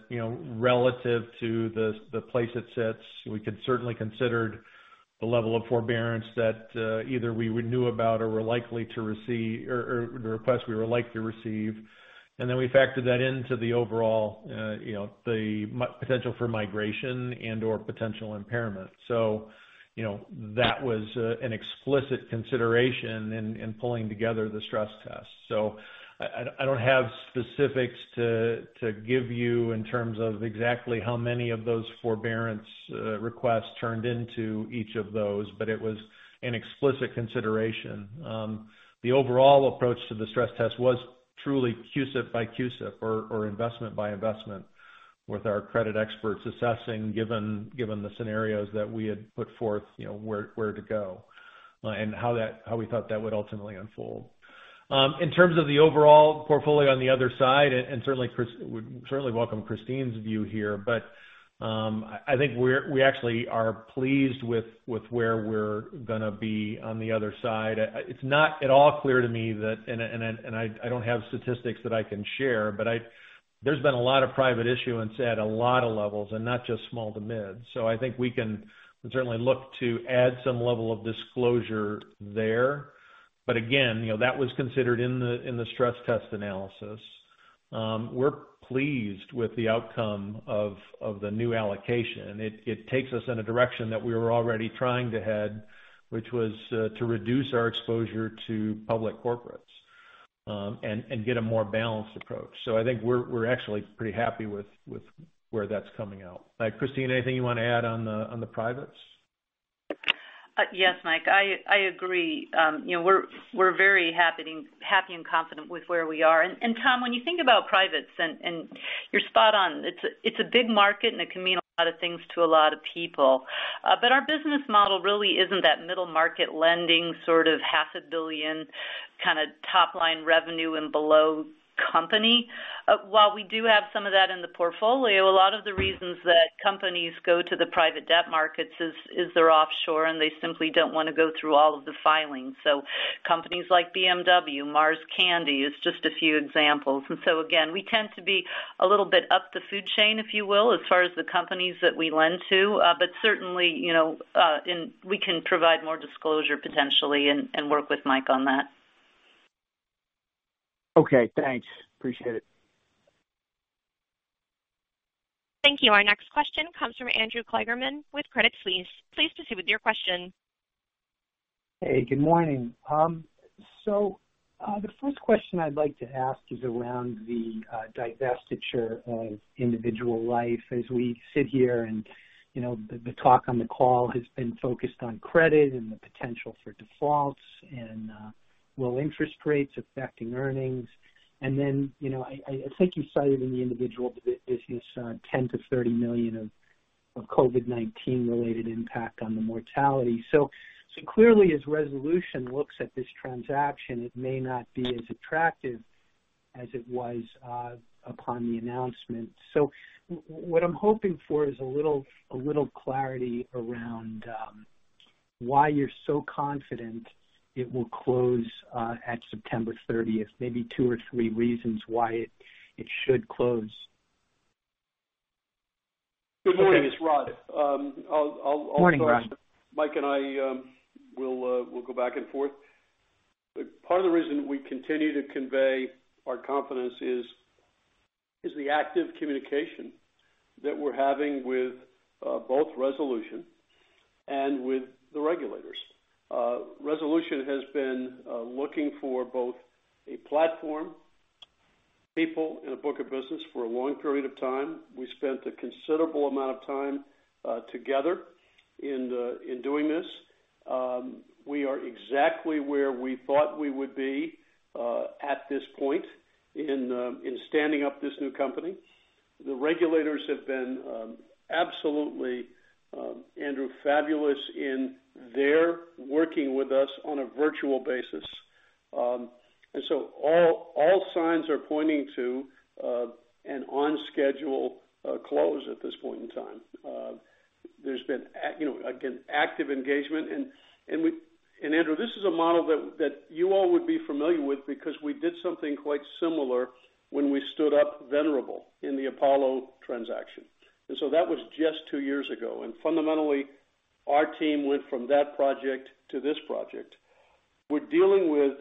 relative to the place it sits. We could certainly considered the level of forbearance that either we would knew about or the request we were likely to receive. We factored that into the overall potential for migration and/or potential impairment. That was an explicit consideration in pulling together the stress test. I don't have specifics to give you in terms of exactly how many of those forbearance requests turned into each of those, but it was an explicit consideration. The overall approach to the stress test was truly CUSIP by CUSIP or investment by investment with our credit experts assessing, given the scenarios that we had put forth where to go and how we thought that would ultimately unfold. In terms of the overall portfolio on the other side, and would certainly welcome Christine's view here, but I think we actually are pleased with where we're going to be on the other side. It's not at all clear to me that, and I don't have statistics that I can share, but there's been a lot of private issuance at a lot of levels and not just small to mid. I think we can certainly look to add some level of disclosure there. Again, that was considered in the stress test analysis. We're pleased with the outcome of the new allocation. It takes us in a direction that we were already trying to head, which was to reduce our exposure to public corporates and get a more balanced approach. I think we're actually pretty happy with where that's coming out. Christine, anything you want to add on the privates? Yes, Mike. I agree. We're very happy and confident with where we are. Tom, when you think about privates and you're spot on, it's a big market and it can mean a lot of things to a lot of people. Our business model really isn't that middle market lending sort of half a billion kind of top-line revenue and below company. While we do have some of that in the portfolio, a lot of the reasons that companies go to the private debt markets is they're offshore and they simply don't want to go through all of the filings. Companies like BMW, Mars Candy is just a few examples. Again, we tend to be a little bit up the food chain, if you will, as far as the companies that we lend to. Certainly, we can provide more disclosure potentially and work with Mike on that. Okay, thanks. Appreciate it. Thank you. Our next question comes from Andrew Kligerman with Credit Suisse. Please proceed with your question. Hey, good morning. The first question I'd like to ask is around the divestiture of individual life as we sit here and the talk on the call has been focused on credit and the potential for defaults and will interest rates affecting earnings. And then I think you cited in the individual business $10 million-$30 million of COVID-19 related impact on the mortality. Clearly as Resolution looks at this transaction, it may not be as attractive as it was upon the announcement. What I'm hoping for is a little clarity around why you're so confident it will close at September 30th. Maybe two or three reasons why it should close. Good morning. It's Rod. Morning, Rod. Mike and I will go back and forth. Part of the reason we continue to convey our confidence is the active communication that we're having with both Resolution and with the regulators. Resolution has been looking for both a platform, people in a book of business for a long period of time. We spent a considerable amount of time together in doing this. We are exactly where we thought we would be at this point in standing up this new company. The regulators have been absolutely, Andrew, fabulous in their working with us on a virtual basis. All signs are pointing to an on-schedule close at this point in time. There's been active engagement and Andrew, this is a model that you all would be familiar with because we did something quite similar when we stood up Venerable in the Apollo transaction. That was just two years ago. Fundamentally, our team went from that project to this project. We're dealing with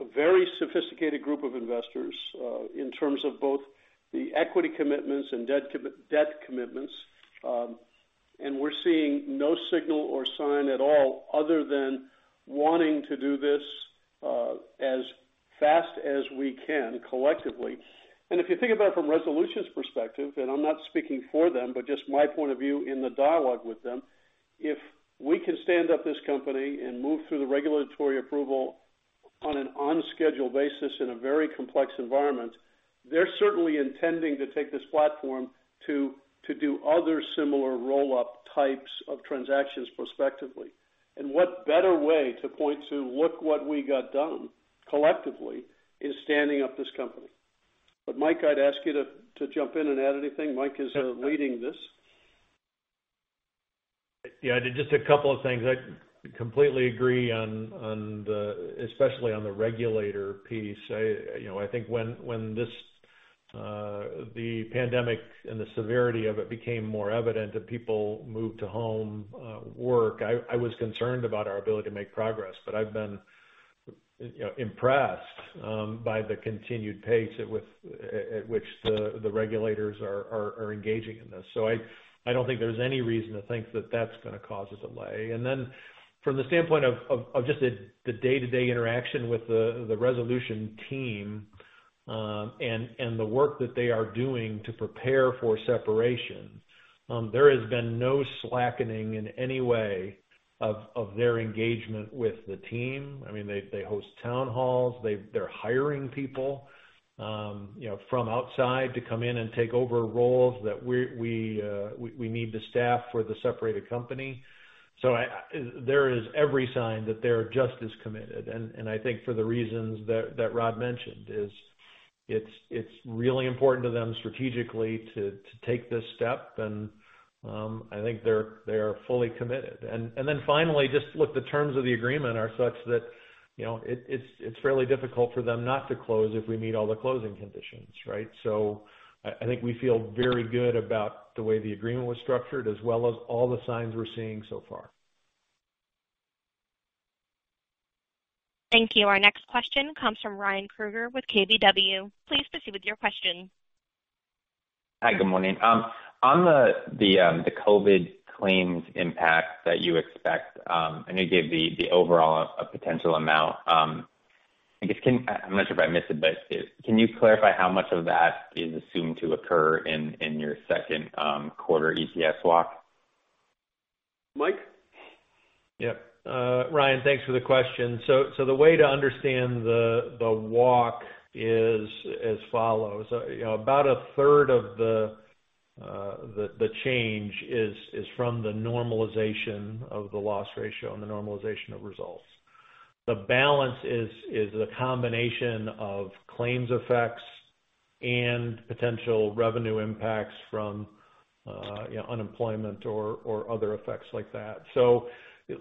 a very sophisticated group of investors in terms of both the equity commitments and debt commitments, we're seeing no signal or sign at all other than wanting to do this as fast as we can collectively. If you think about it from Resolution's perspective, and I'm not speaking for them, but just my point of view in the dialogue with them, if we can stand up this company and move through the regulatory approval on an on-schedule basis in a very complex environment, they're certainly intending to take this platform to do other similar roll-up types of transactions prospectively. What better way to point to look what we got done collectively is standing up this company. Mike, I'd ask you to jump in and add anything. Mike is leading this. Just a couple of things. I completely agree, especially on the regulator piece. I think when the pandemic and the severity of it became more evident, that people moved to home work, I was concerned about our ability to make progress. I've been impressed by the continued pace at which the regulators are engaging in this. I don't think there's any reason to think that that's going to cause a delay. From the standpoint of just the day-to-day interaction with the Resolution team, and the work that they are doing to prepare for separation, there has been no slackening in any way of their engagement with the team. They host town halls. They're hiring people from outside to come in and take over roles that we need to staff for the separated company. There is every sign that they're just as committed, and I think for the reasons that Rod mentioned is it's really important to them strategically to take this step, and I think they are fully committed. Finally, just look, the terms of the agreement are such that it's fairly difficult for them not to close if we meet all the closing conditions, right? I think we feel very good about the way the agreement was structured, as well as all the signs we're seeing so far. Thank you. Our next question comes from Ryan Krueger with KBW. Please proceed with your question. Hi, good morning. On the COVID claims impact that you expect, I know you gave the overall potential amount. I'm not sure if I missed it, but can you clarify how much of that is assumed to occur in your second quarter ECS walk? Mike? Yep. Ryan, thanks for the question. The way to understand the walk is as follows. About a third of the change is from the normalization of the loss ratio and the normalization of results. The balance is a combination of claims effects and potential revenue impacts from unemployment or other effects like that.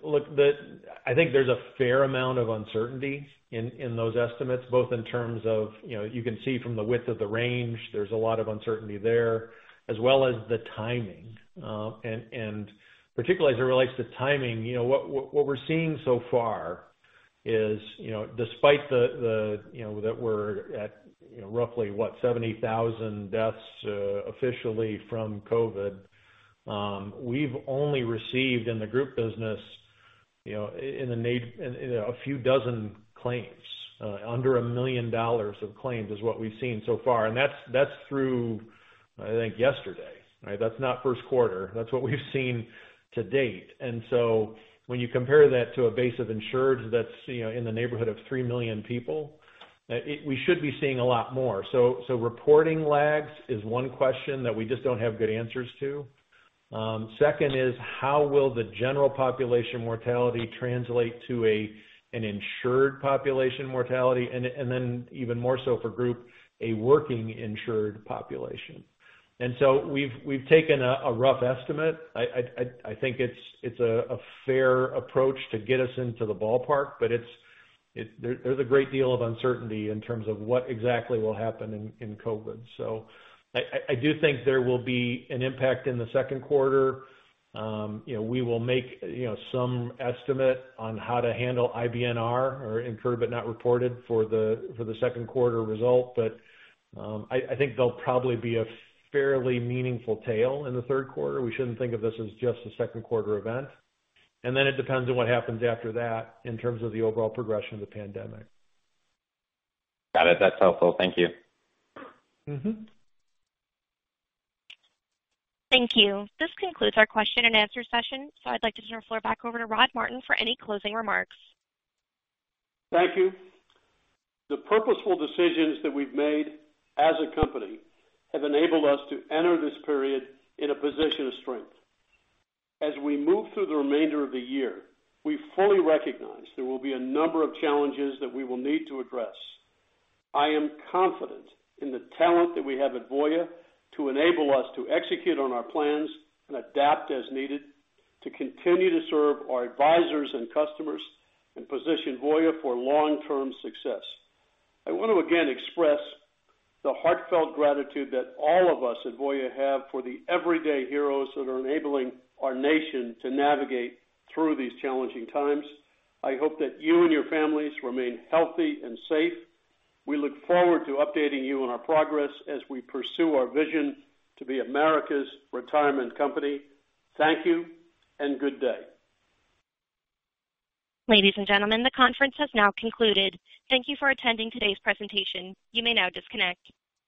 Look, I think there's a fair amount of uncertainty in those estimates, both in terms of you can see from the width of the range, there's a lot of uncertainty there, as well as the timing. Particularly as it relates to timing, what we're seeing so far is despite that we're at roughly, what, 70,000 deaths officially from COVID, we've only received in the group business a few dozen claims. Under $1 million of claims is what we've seen so far. That's through, I think, yesterday. That's not first quarter. That's what we've seen to date. When you compare that to a base of insureds that's in the neighborhood of 3 million people, we should be seeing a lot more. Reporting lags is one question that we just don't have good answers to. Second is how will the general population mortality translate to an insured population mortality, and then even more so for group, a working insured population? We've taken a rough estimate. I think it's a fair approach to get us into the ballpark, but there's a great deal of uncertainty in terms of what exactly will happen in COVID. I do think there will be an impact in the second quarter. We will make some estimate on how to handle IBNR, or incurred but not reported, for the second quarter result. I think there'll probably be a fairly meaningful tail in the third quarter. We shouldn't think of this as just a second quarter event. It depends on what happens after that in terms of the overall progression of the pandemic. Got it. That's helpful. Thank you. Thank you. This concludes our question and answer session. I'd like to turn the floor back over to Rod Martin for any closing remarks. Thank you. The purposeful decisions that we've made as a company have enabled us to enter this period in a position of strength. As we move through the remainder of the year, we fully recognize there will be a number of challenges that we will need to address. I am confident in the talent that we have at Voya to enable us to execute on our plans and adapt as needed to continue to serve our advisors and customers and position Voya for long-term success. I want to again express the heartfelt gratitude that all of us at Voya have for the everyday heroes that are enabling our nation to navigate through these challenging times. I hope that you and your families remain healthy and safe. We look forward to updating you on our progress as we pursue our vision to be America's retirement company. Thank you, and good day. Ladies and gentlemen, the conference has now concluded. Thank you for attending today's presentation. You may now disconnect.